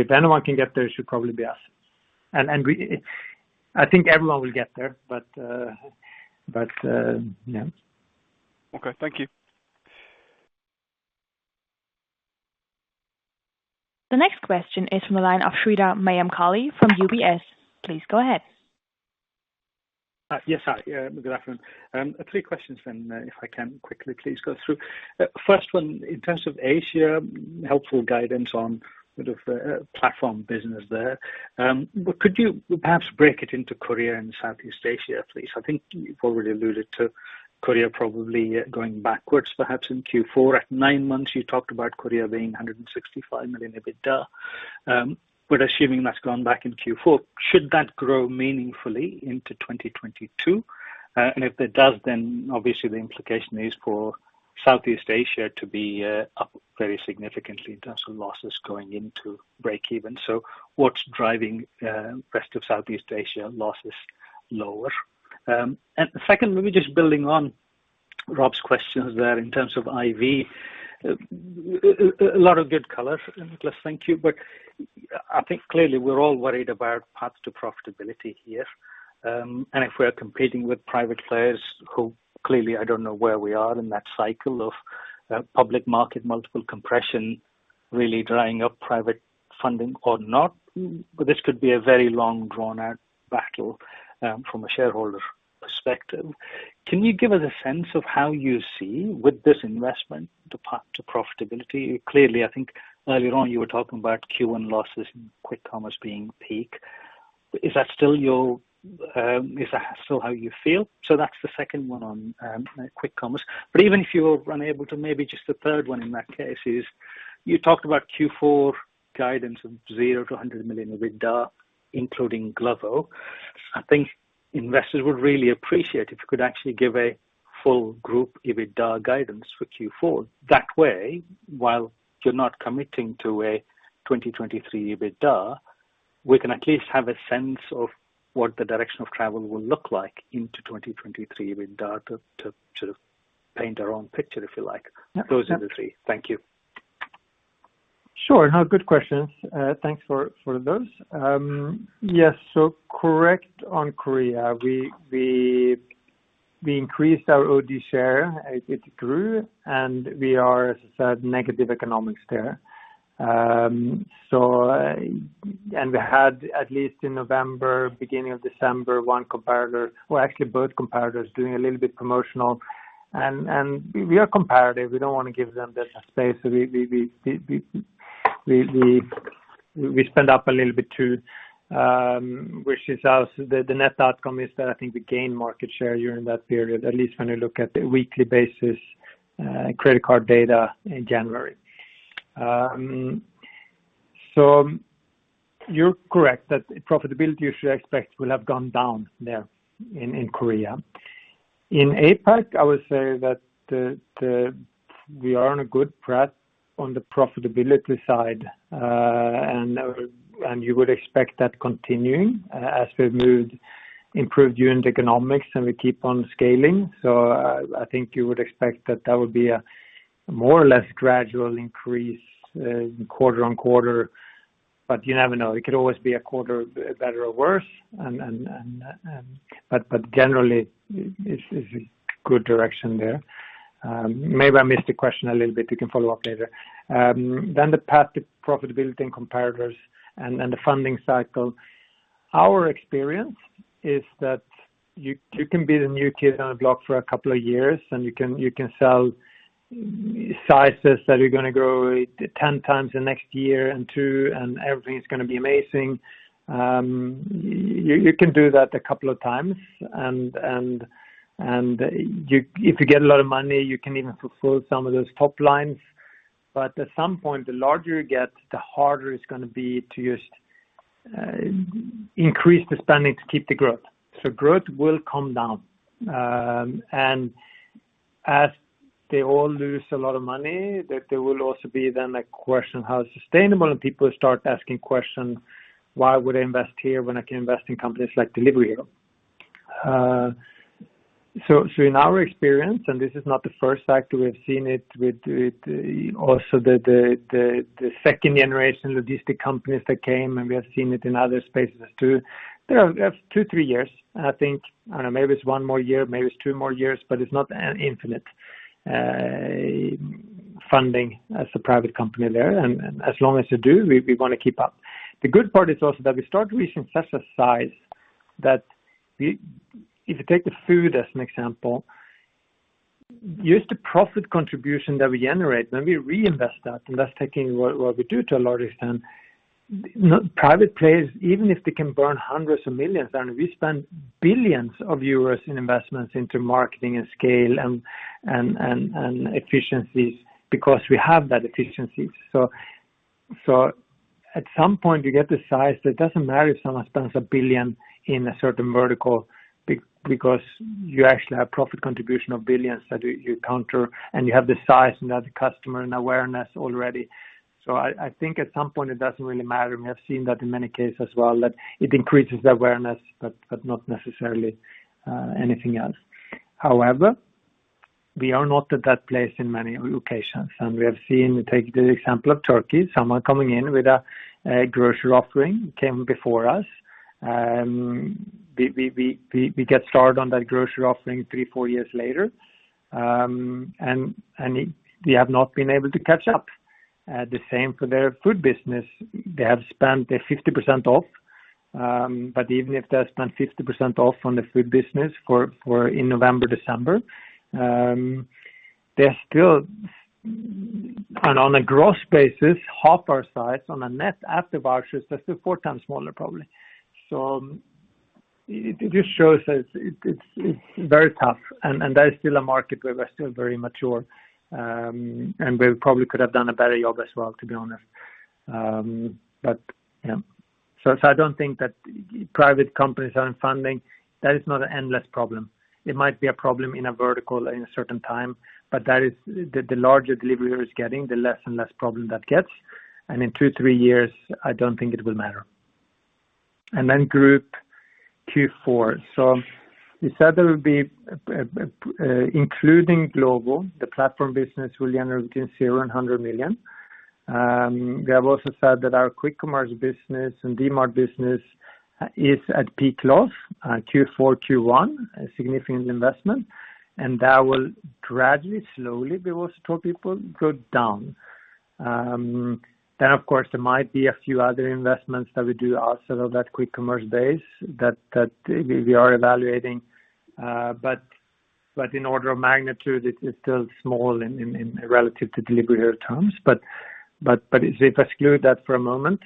If anyone can get there, it should probably be us. I think everyone will get there, but yeah. Okay. Thank you. The next question is from the line of Sreedhar Mahamkali from UBS. Please go ahead. Yes. Hi. Good afternoon. Three questions, if I can quickly please go through. First one, in terms of Asia, helpful guidance on sort of platform business there. Could you perhaps break it into Korea and Southeast Asia, please? I think you've already alluded to Korea probably going backwards, perhaps in Q4. At nine months, you talked about Korea being 165 million EBITDA. Assuming that's gone back in Q4, should that grow meaningfully into 2022? If it does, obviously the implication is for Southeast Asia to be up very significantly in terms of losses going into breakeven. What's driving rest of Southeast Asia losses lower? Second, maybe just building on Rob's questions there in terms of IV. A lot of good color, Niklas. Thank you. I think clearly we're all worried about paths to profitability here. If we're competing with private players who clearly, I don't know where we are in that cycle of public market multiple compression really drying up private funding or not. This could be a very long, drawn-out battle from a shareholder perspective. Can you give us a sense of how you see with this investment the path to profitability? Clearly, I think early on you were talking about Q1 losses and quick commerce being peak. Is that still how you feel? That's the second one on quick commerce. Even if you're unable to, maybe just the third one in that case is you talked about Q4 guidance of 0 million-100 million EBITDA, including Glovo. I think investors would really appreciate if you could actually give a full group EBITDA guidance for Q4. That way, while you're not committing to a 2023 EBITDA, we can at least have a sense of what the direction of travel will look like into 2023 EBITDA to sort of paint our own picture, if you like. Yeah. Those are the three. Thank you. Sure. No, good questions. Thanks for those. Yes, correct on Korea. We increased our OD share. It grew and we are negative economics there. And we had, at least in November, beginning of December, one competitor. Well, actually, both competitors doing a little bit promotional and we are competitive. We don't want to give them that space. We stepped up a little bit too, which is also the net outcome is that I think we gained market share during that period, at least when you look at the weekly basis, credit card data in January. You're correct that profitability you should expect will have gone down there in Korea. In APAC, I would say that we are on a good path on the profitability side. You would expect that continuing, as we've improved unit economics, and we keep on scaling. I think you would expect that that would be a more or less gradual increase, quarter-over-quarter, but you never know. It could always be a quarter better or worse. Generally it's a good direction there. Maybe I missed the question a little bit. You can follow up later. The path to profitability and competitors and the funding cycle. Our experience is that you can be the new kid on the block for a couple of years, and you can sell stories that are gonna grow 10 times the next year or two, and everything is gonna be amazing. You can do that a couple of times and if you get a lot of money, you can even fulfill some of those top lines. At some point, the larger you get, the harder it's gonna be to just increase the spending to keep the growth. Growth will come down. As they all lose a lot of money, there will also be then a question, how sustainable? People start asking questions, "Why would I invest here when I can invest in companies like Delivery Hero?" In our experience, this is not the first sector we have seen it with, also the second generation logistic companies that came, and we have seen it in other spaces too. There are two, three years, I think. I don't know, maybe it's one more year, maybe it's two more years, but it's not an infinite funding as a private company there. As long as you do, we wanna keep up. The good part is also that we start reaching such a size that we. If you take the food as an example, use the profit contribution that we generate, then we reinvest that, and that's taking what we do to a large extent. Private players, even if they can burn hundreds of millions than we spend billions of euros in investments into marketing and scale and efficiencies because we have that efficiency. At some point you get the size that it doesn't matter if someone spends 1 billion in a certain vertical because you actually have profit contribution of billions that you counter, and you have the size and the customer and awareness already. I think at some point it doesn't really matter, and we have seen that in many cases as well, that it increases the awareness but not necessarily anything else. However, we are not at that place in many locations. We have seen, take the example of Turkey, someone coming in with a grocery offering came before us. We get started on that grocery offering three, four years later, and we have not been able to catch up. The same for their food business. They have spent 50% off, but even if they have spent 50% off on the food business for in November, December, they're still. On a gross basis, half our size on a net after vouchers, that's still four times smaller probably. It just shows that it's very tough and that is still a market where we're still very mature. We probably could have done a better job as well, to be honest. Yeah. If I don't think that private companies aren't funding, that is not an endless problem. It might be a problem in a vertical in a certain time, but that is the larger Deliveroo is getting, the less and less problem that gets. In two, three years, I don't think it will matter. Then group Q4. We said there will be, including Glovo, the platform business will generate between 0 million and 100 million. We have also said that our quick commerce business and Dmart business is at peak loss, Q4, Q1, a significant investment. That will gradually, slowly, we will tell people, go down. Of course, there might be a few other investments that we do also that quick commerce based that we are evaluating. But in order of magnitude, it is still small in relative to Delivery Hero terms. But if exclude that for a moment,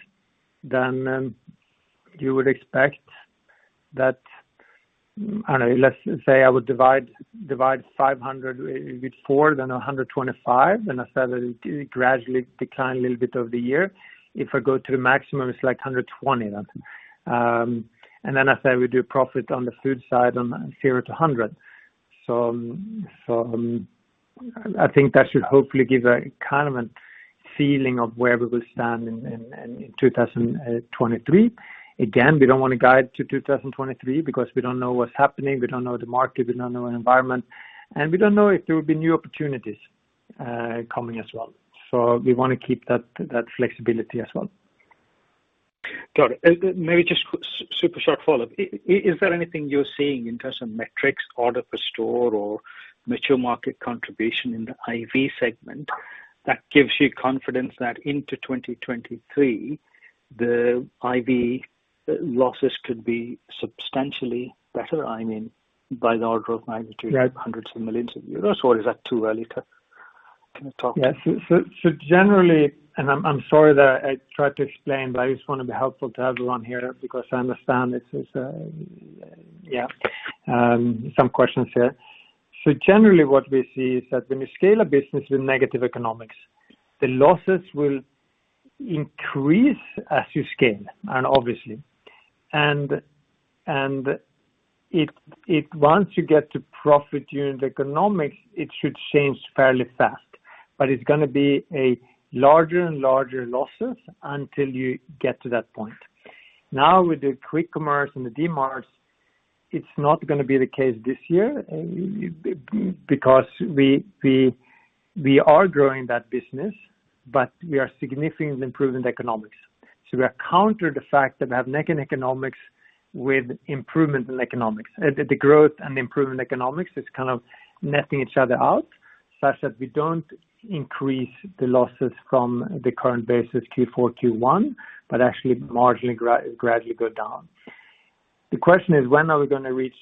you would expect that, I don't know, let's say I would divide 500 million with 4, then 125 million, and I said that it gradually declines a little bit over the year. If I go to the maximum, it's like 120 million. Then I said we do profit on the food side on 0 million-100 million. I think that should hopefully give a kind of a feeling of where we will stand in 2023. Again, we don't want to guide to 2023 because we don't know what's happening, we don't know the market, we don't know environment, and we don't know if there will be new opportunities coming as well. We want to keep that flexibility as well. Got it. Maybe just super short follow-up. Is there anything you're seeing in terms of metrics, order per store or mature market contribution in the IV segment that gives you confidence that into 2023, the IV losses could be substantially better? I mean, by the order of magnitude hundreds of millions of euros, or is that too early to talk? Yes. Generally, I'm sorry that I tried to explain, but I just want to be helpful to everyone here because I understand there are some questions here. Generally what we see is that when you scale a business with negative economics, the losses will increase as you scale, and obviously. Once you get to positive economics, it should change fairly fast. It's gonna be larger and larger losses until you get to that point. Now, with the quick commerce and the Dmarts, it's not gonna be the case this year because we are growing that business, but we are significantly improving the economics. We are counteracting the fact that we have negative economics with improvement in economics. The growth and improvement in economics is kind of netting each other out such that we don't increase the losses from the current basis Q4, Q1, but actually marginally gradually go down. The question is when are we gonna reach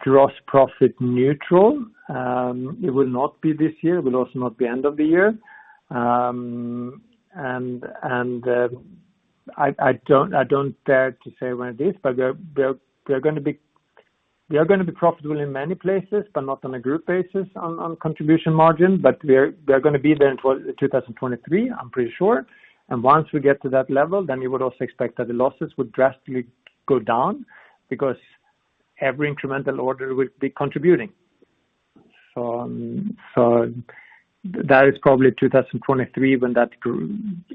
gross profit neutral? It will not be this year. It will also not be end of the year. I don't dare to say when it is, but we're gonna be profitable in many places, but not on a group basis on contribution margin. We're gonna be there in 2023, I'm pretty sure. Once we get to that level, then you would also expect that the losses would drastically go down because every incremental order will be contributing. That is probably 2023.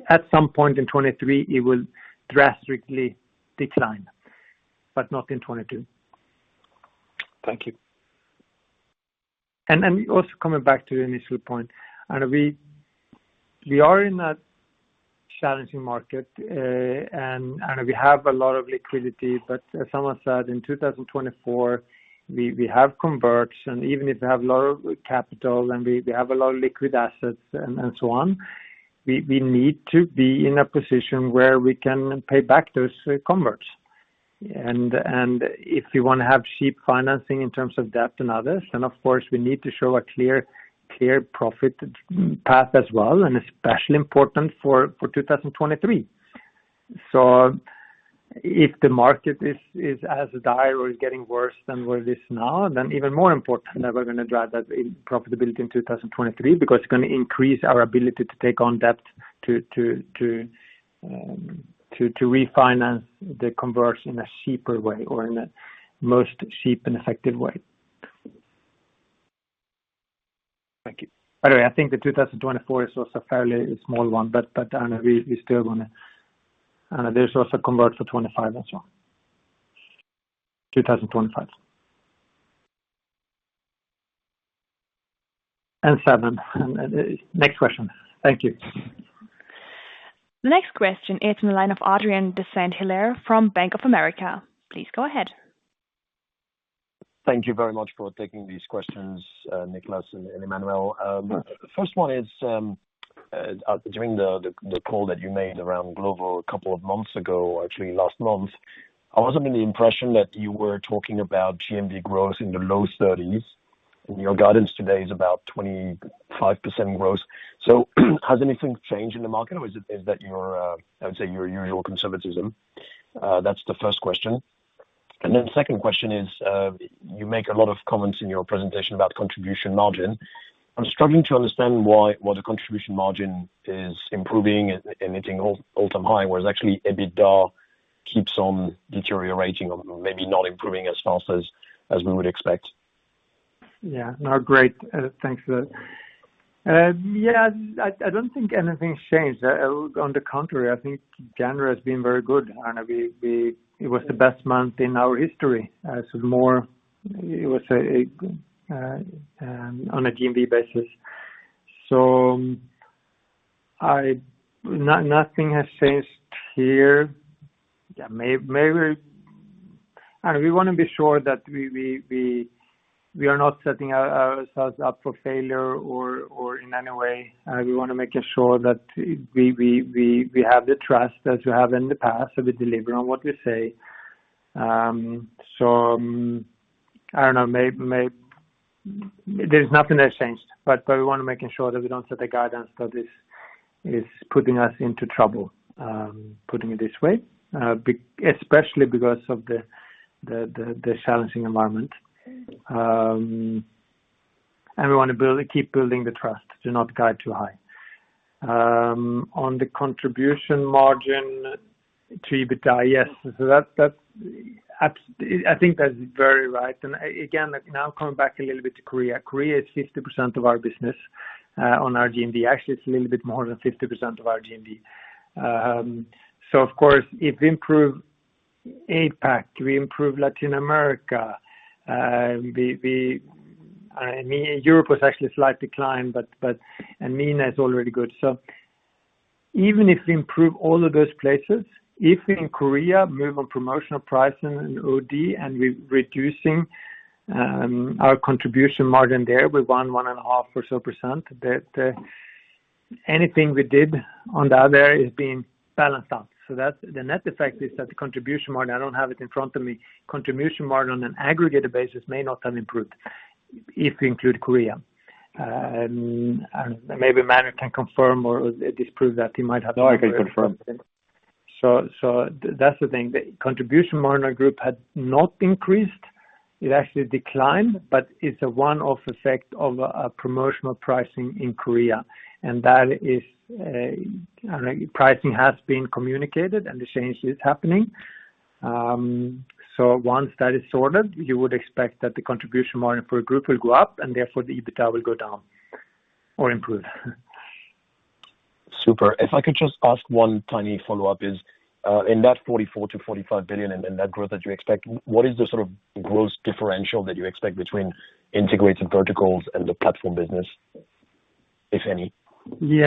At some point in 2023, it will drastically decline, but not in 2022. Thank you. Coming back to your initial point, we are in a challenging market, and we have a lot of liquidity. But as someone said, in 2024, we have converts, and even if we have a lot of capital and we have a lot of liquid assets and so on, we need to be in a position where we can pay back those converts. If you want to have cheap financing in terms of debt and others, then of course, we need to show a clear profit path as well, and especially important for 2023. If the market is as dire or is getting worse than where it is now, then even more important that we're going to drive that profitability in 2023 because it's going to increase our ability to take on debt to refinance the converts in a cheaper way or in a most cheap and effective way. Thank you. By the way, I think the 2024 is also a fairly small one, but we still gonna. There's also convertible for 2025 as well. 2025 and 2027. Next question. Thank you. The next question is in the line of Adrien de Saint Hilaire from Bank of America. Please go ahead. Thank you very much for taking these questions, Niklas and Emmanuel. The first one is, during the call that you made around Glovo a couple of months ago, actually last month, I was under the impression that you were talking about GMV growth in the low 30s%. Your guidance today is about 25% growth. Has anything changed in the market or is that your, I would say your usual conservatism? That's the first question. Second question is, you make a lot of comments in your presentation about contribution margin. I'm struggling to understand why, while the contribution margin is improving and hitting all-time high, whereas actually EBITDA keeps on deteriorating or maybe not improving as fast as we would expect. Yeah. No, great. Thanks for that. Yeah, I don't think anything's changed. On the contrary, I think January has been very good, and it was the best month in our history. It was on a GMV basis. Nothing has changed here. Yeah, maybe. We want to be sure that we are not setting ourselves up for failure or in any way. We want to make sure that we have the trust as you have in the past, so we deliver on what we say. There's nothing that's changed, but we want to make sure that we don't set a guidance that is putting us into trouble, putting it this way. Especially because of the challenging environment. We wanna keep building the trust, do not guide too high. On the contribution margin to EBITDA, yes. That's I think that's very right. Now coming back a little bit to Korea. Korea is 50% of our business, on our GMV. Actually, it's a little bit more than 50% of our GMV. Of course, if we improve APAC, we improve Latin America, I mean, Europe was actually a slight decline, but and MENA is already good. Even if we improve all of those places, if in Korea we move on promotional pricing and OD and we're reducing our contribution margin there with 1.5% or so, that anything we did on the other is being balanced out. That's the net effect is that the contribution margin, I don't have it in front of me, contribution margin on an aggregated basis may not have improved if you include Korea. Maybe Emmanuel can confirm or disprove that. He might have. No, I can confirm. That's the thing. The contribution margin for the group had not increased. It actually declined, but it's a one-off effect of promotional pricing in Korea. That is, I don't know, pricing has been communicated and the change is happening. Once that is sorted, you would expect that the contribution margin for the group will go up and therefore the EBITDA will go down or improve. Super. If I could just ask one tiny follow-up is, in that 44 billion-45 billion and that growth that you expect, what is the sort of growth differential that you expect between Integrated Verticals and the platform business, if any? We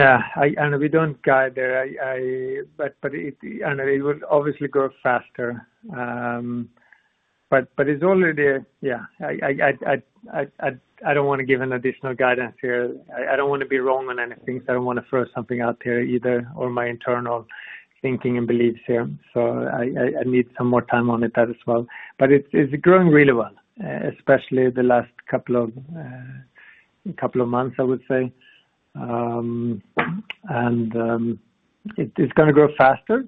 don't guide there. It will obviously grow faster. I don't wanna give an additional guidance here. I don't wanna be wrong on anything. I don't wanna throw something out there either or my internal thinking and beliefs here. I need some more time on it as well. It's growing really well, especially the last couple of months, I would say. It's gonna grow faster,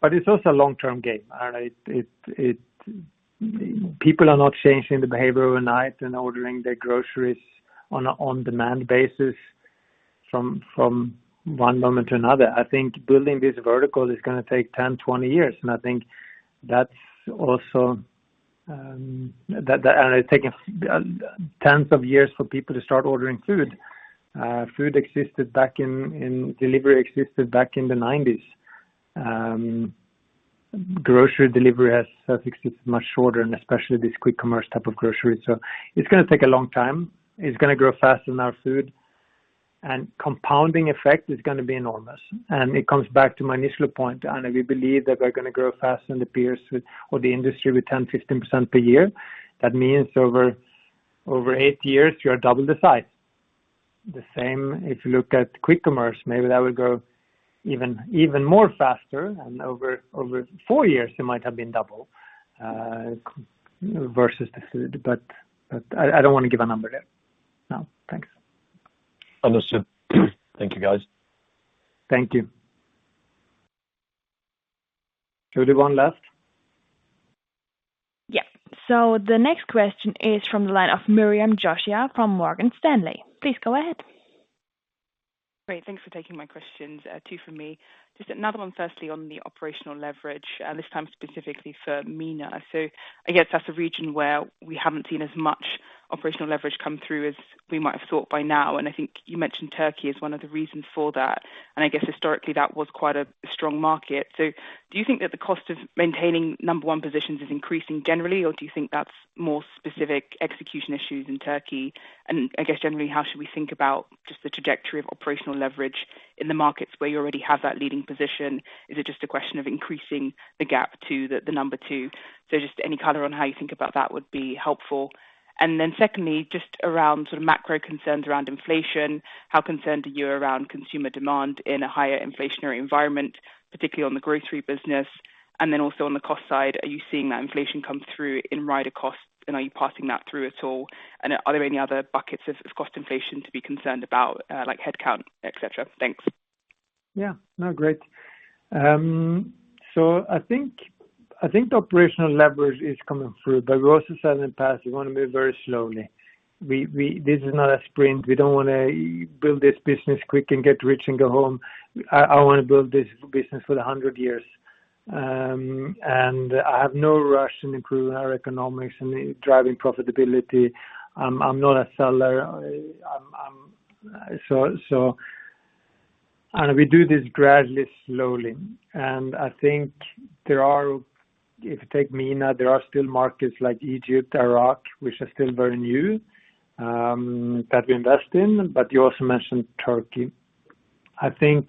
but it's also a long-term game. I don't know. People are not changing the behavior overnight and ordering their groceries on an on-demand basis from one moment to another. I think building this vertical is gonna take 10, 20 years. I think that's also. It's taken tens of years for people to start ordering food. Delivery existed back in the 1990s. Grocery delivery has existed much shorter and especially this quick commerce type of grocery. It's gonna take a long time. It's gonna grow faster than our food. Compounding effect is gonna be enormous. It comes back to my initial point. We believe that we're gonna grow faster than the peers or the industry with 10%-15% per year. That means over eight years, you're double the size. The same if you look at quick commerce, maybe that will grow even more faster and over 4 years, it might have been double versus the food. But I don't wanna give a number there. No. Thanks. Understood. Thank you, guys. Thank you. Only one left? Yeah. The next question is from the line of Miriam Josiah from Morgan Stanley. Please go ahead. Great. Thanks for taking my questions. Two for me. Just another one, firstly on the operational leverage, this time specifically for MENA. I guess that's a region where we haven't seen as much operational leverage come through as we might have thought by now. I think you mentioned Turkey as one of the reasons for that. I guess historically that was quite a strong market. Do you think that the cost of maintaining number one positions is increasing generally, or do you think that's more specific execution issues in Turkey? I guess generally, how should we think about just the trajectory of operational leverage in the markets where you already have that leading position? Is it just a question of increasing the gap to the number two? Just any color on how you think about that would be helpful. Then secondly, just around sort of macro concerns around inflation, how concerned are you around consumer demand in a higher inflationary environment, particularly on the grocery business? On the cost side, are you seeing that inflation come through in rider costs, and are you passing that through at all? Are there any other buckets of cost inflation to be concerned about, like headcount, et cetera? Thanks. Yeah. No, great. I think the operational leverage is coming through, but we also said in the past, we wanna move very slowly. This is not a sprint. We don't wanna build this business quick and get rich and go home. I wanna build this business for 100 years. I have no rush in improving our economics and driving profitability. I'm not a seller. I'm so. We do this gradually, slowly. I think there are. If you take MENA, there are still markets like Egypt, Iraq, which are still very new, that we invest in, but you also mentioned Turkey. I think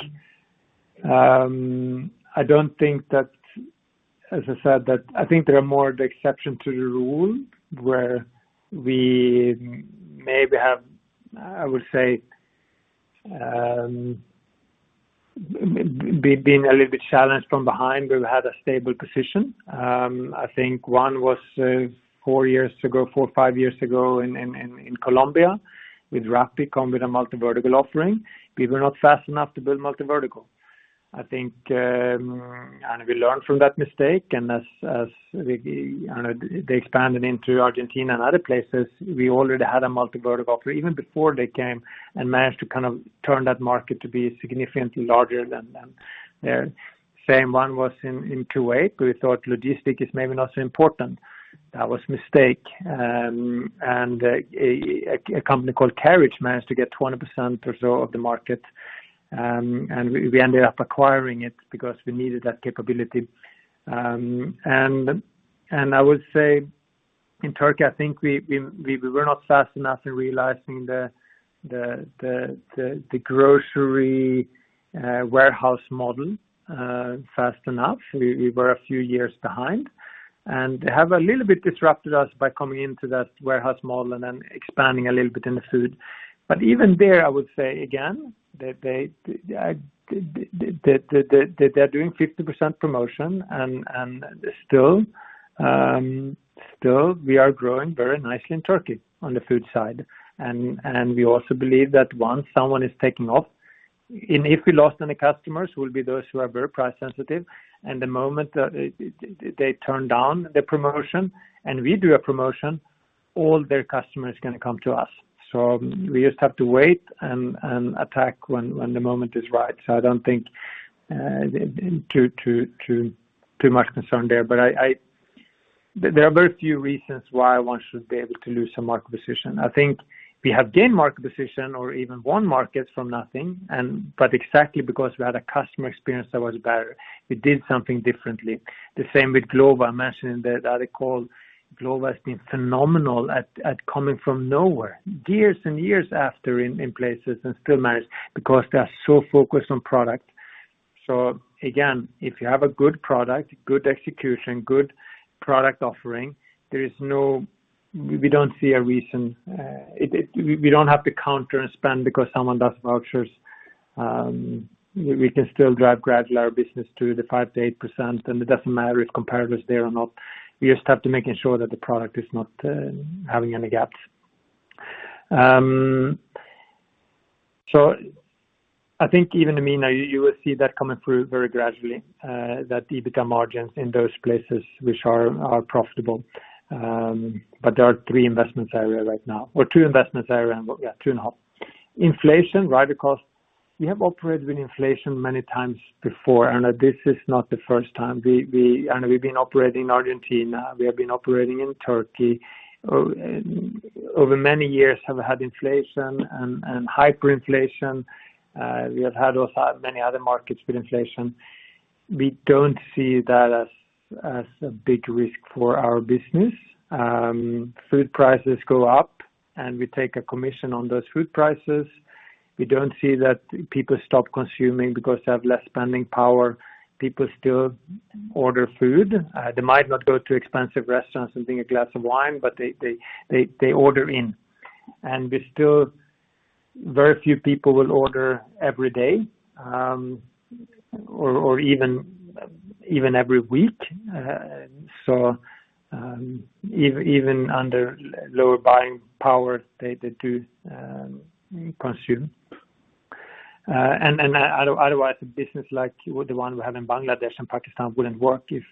I don't think that, as I said, that I think they are more the exception to the rule where we maybe have, I would say, being a little bit challenged from behind, we've had a stable position. I think one was four or five years ago in Colombia with Rappi coming with a multi-vertical offering. We were not fast enough to build multi-vertical. I think we learned from that mistake, and as we you know they expanded into Argentina and other places, we already had a multi-vertical offer even before they came and managed to kind of turn that market to be significantly larger than there. The same one was in Kuwait. We thought logistics is maybe not so important. That was a mistake. A company called Carriage managed to get 20% or so of the market, and we ended up acquiring it because we needed that capability. I would say in Turkey, I think we were not fast enough in realizing the grocery warehouse model fast enough. We were a few years behind. They have a little bit disrupted us by coming into that warehouse model and then expanding a little bit in the food. Even there, I would say again that they're doing 50% promotion and still we are growing very nicely in Turkey on the food side. We also believe that once someone is taking off, and if we lost any customers, will be those who are very price sensitive. The moment they turn down the promotion and we do a promotion, all their customers can come to us. We just have to wait and attack when the moment is right. I don't think too much concern there. There are very few reasons why one should be able to lose some market position. I think we have gained market position or even won markets from nothing, but exactly because we had a customer experience that was better. We did something differently. The same with Glovo. I mentioned in the article, Glovo has been phenomenal at coming from nowhere, years and years after in places and still manage because they are so focused on product. Again, if you have a good product, good execution, good product offering, there is no. We don't see a reason. We don't have to counter and spend because someone does vouchers. We can still drive gradually our business to the 5%-8%, and it doesn't matter if competition is there or not. We just have to make sure that the product is not having any gaps. I think even in MENA you will see that coming through very gradually, that EBITDA margins in those places which are profitable. But there are three investment areas right now, or two investment areas, two and a half. Inflation, rider cost. We have operated with inflation many times before, and this is not the first time. We've been operating in Argentina, we have been operating in Turkey. Over many years we have had inflation and hyperinflation. We have had also many other markets with inflation. We don't see that as a big risk for our business. Food prices go up, and we take a commission on those food prices. We don't see that people stop consuming because they have less spending power. People still order food. They might not go to expensive restaurants and drink a glass of wine, but they order in. We still. Very few people will order every day, or even every week. Even under lower buying power, they do consume. Otherwise, a business like the one we have in Bangladesh and Pakistan wouldn't work if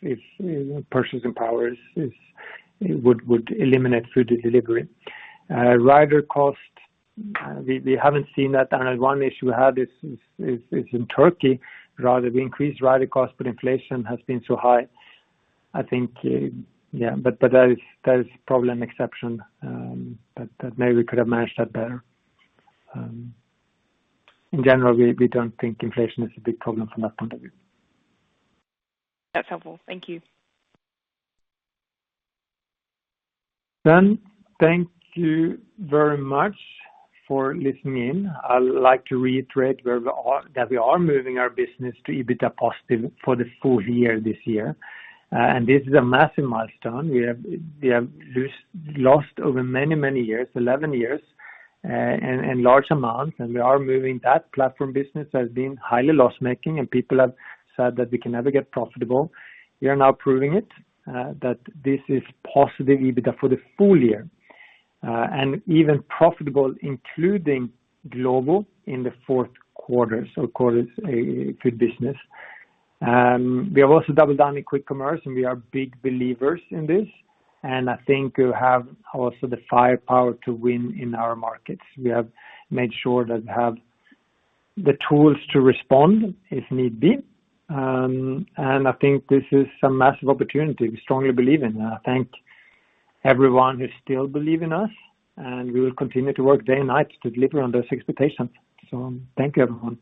purchasing power would eliminate food delivery. Rider cost, we haven't seen that. One issue we have is in Turkey. We increased rider cost, but inflation has been so high, I think. That is probably an exception, but maybe we could have managed that better. In general, we don't think inflation is a big problem from that point of view. That's helpful. Thank you. Thank you very much for listening in. I would like to reiterate where we are, that we are moving our business to EBITDA positive for the full year this year. And this is a massive milestone. We have lost over many years, 11 years, and large amounts, and we are moving. That platform business has been highly loss-making, and people have said that we can never get profitable. We are now proving it, that this is positive EBITDA for the full year, and even profitable, including Glovo in the fourth quarter. Of course it's a food business. We have also doubled down in quick commerce, and we are big believers in this, and I think we have also the firepower to win in our markets. We have made sure that we have the tools to respond if need be. I think this is a massive opportunity we strongly believe in. I thank everyone who still believe in us, and we will continue to work day and night to deliver on those expectations. Thank you, everyone.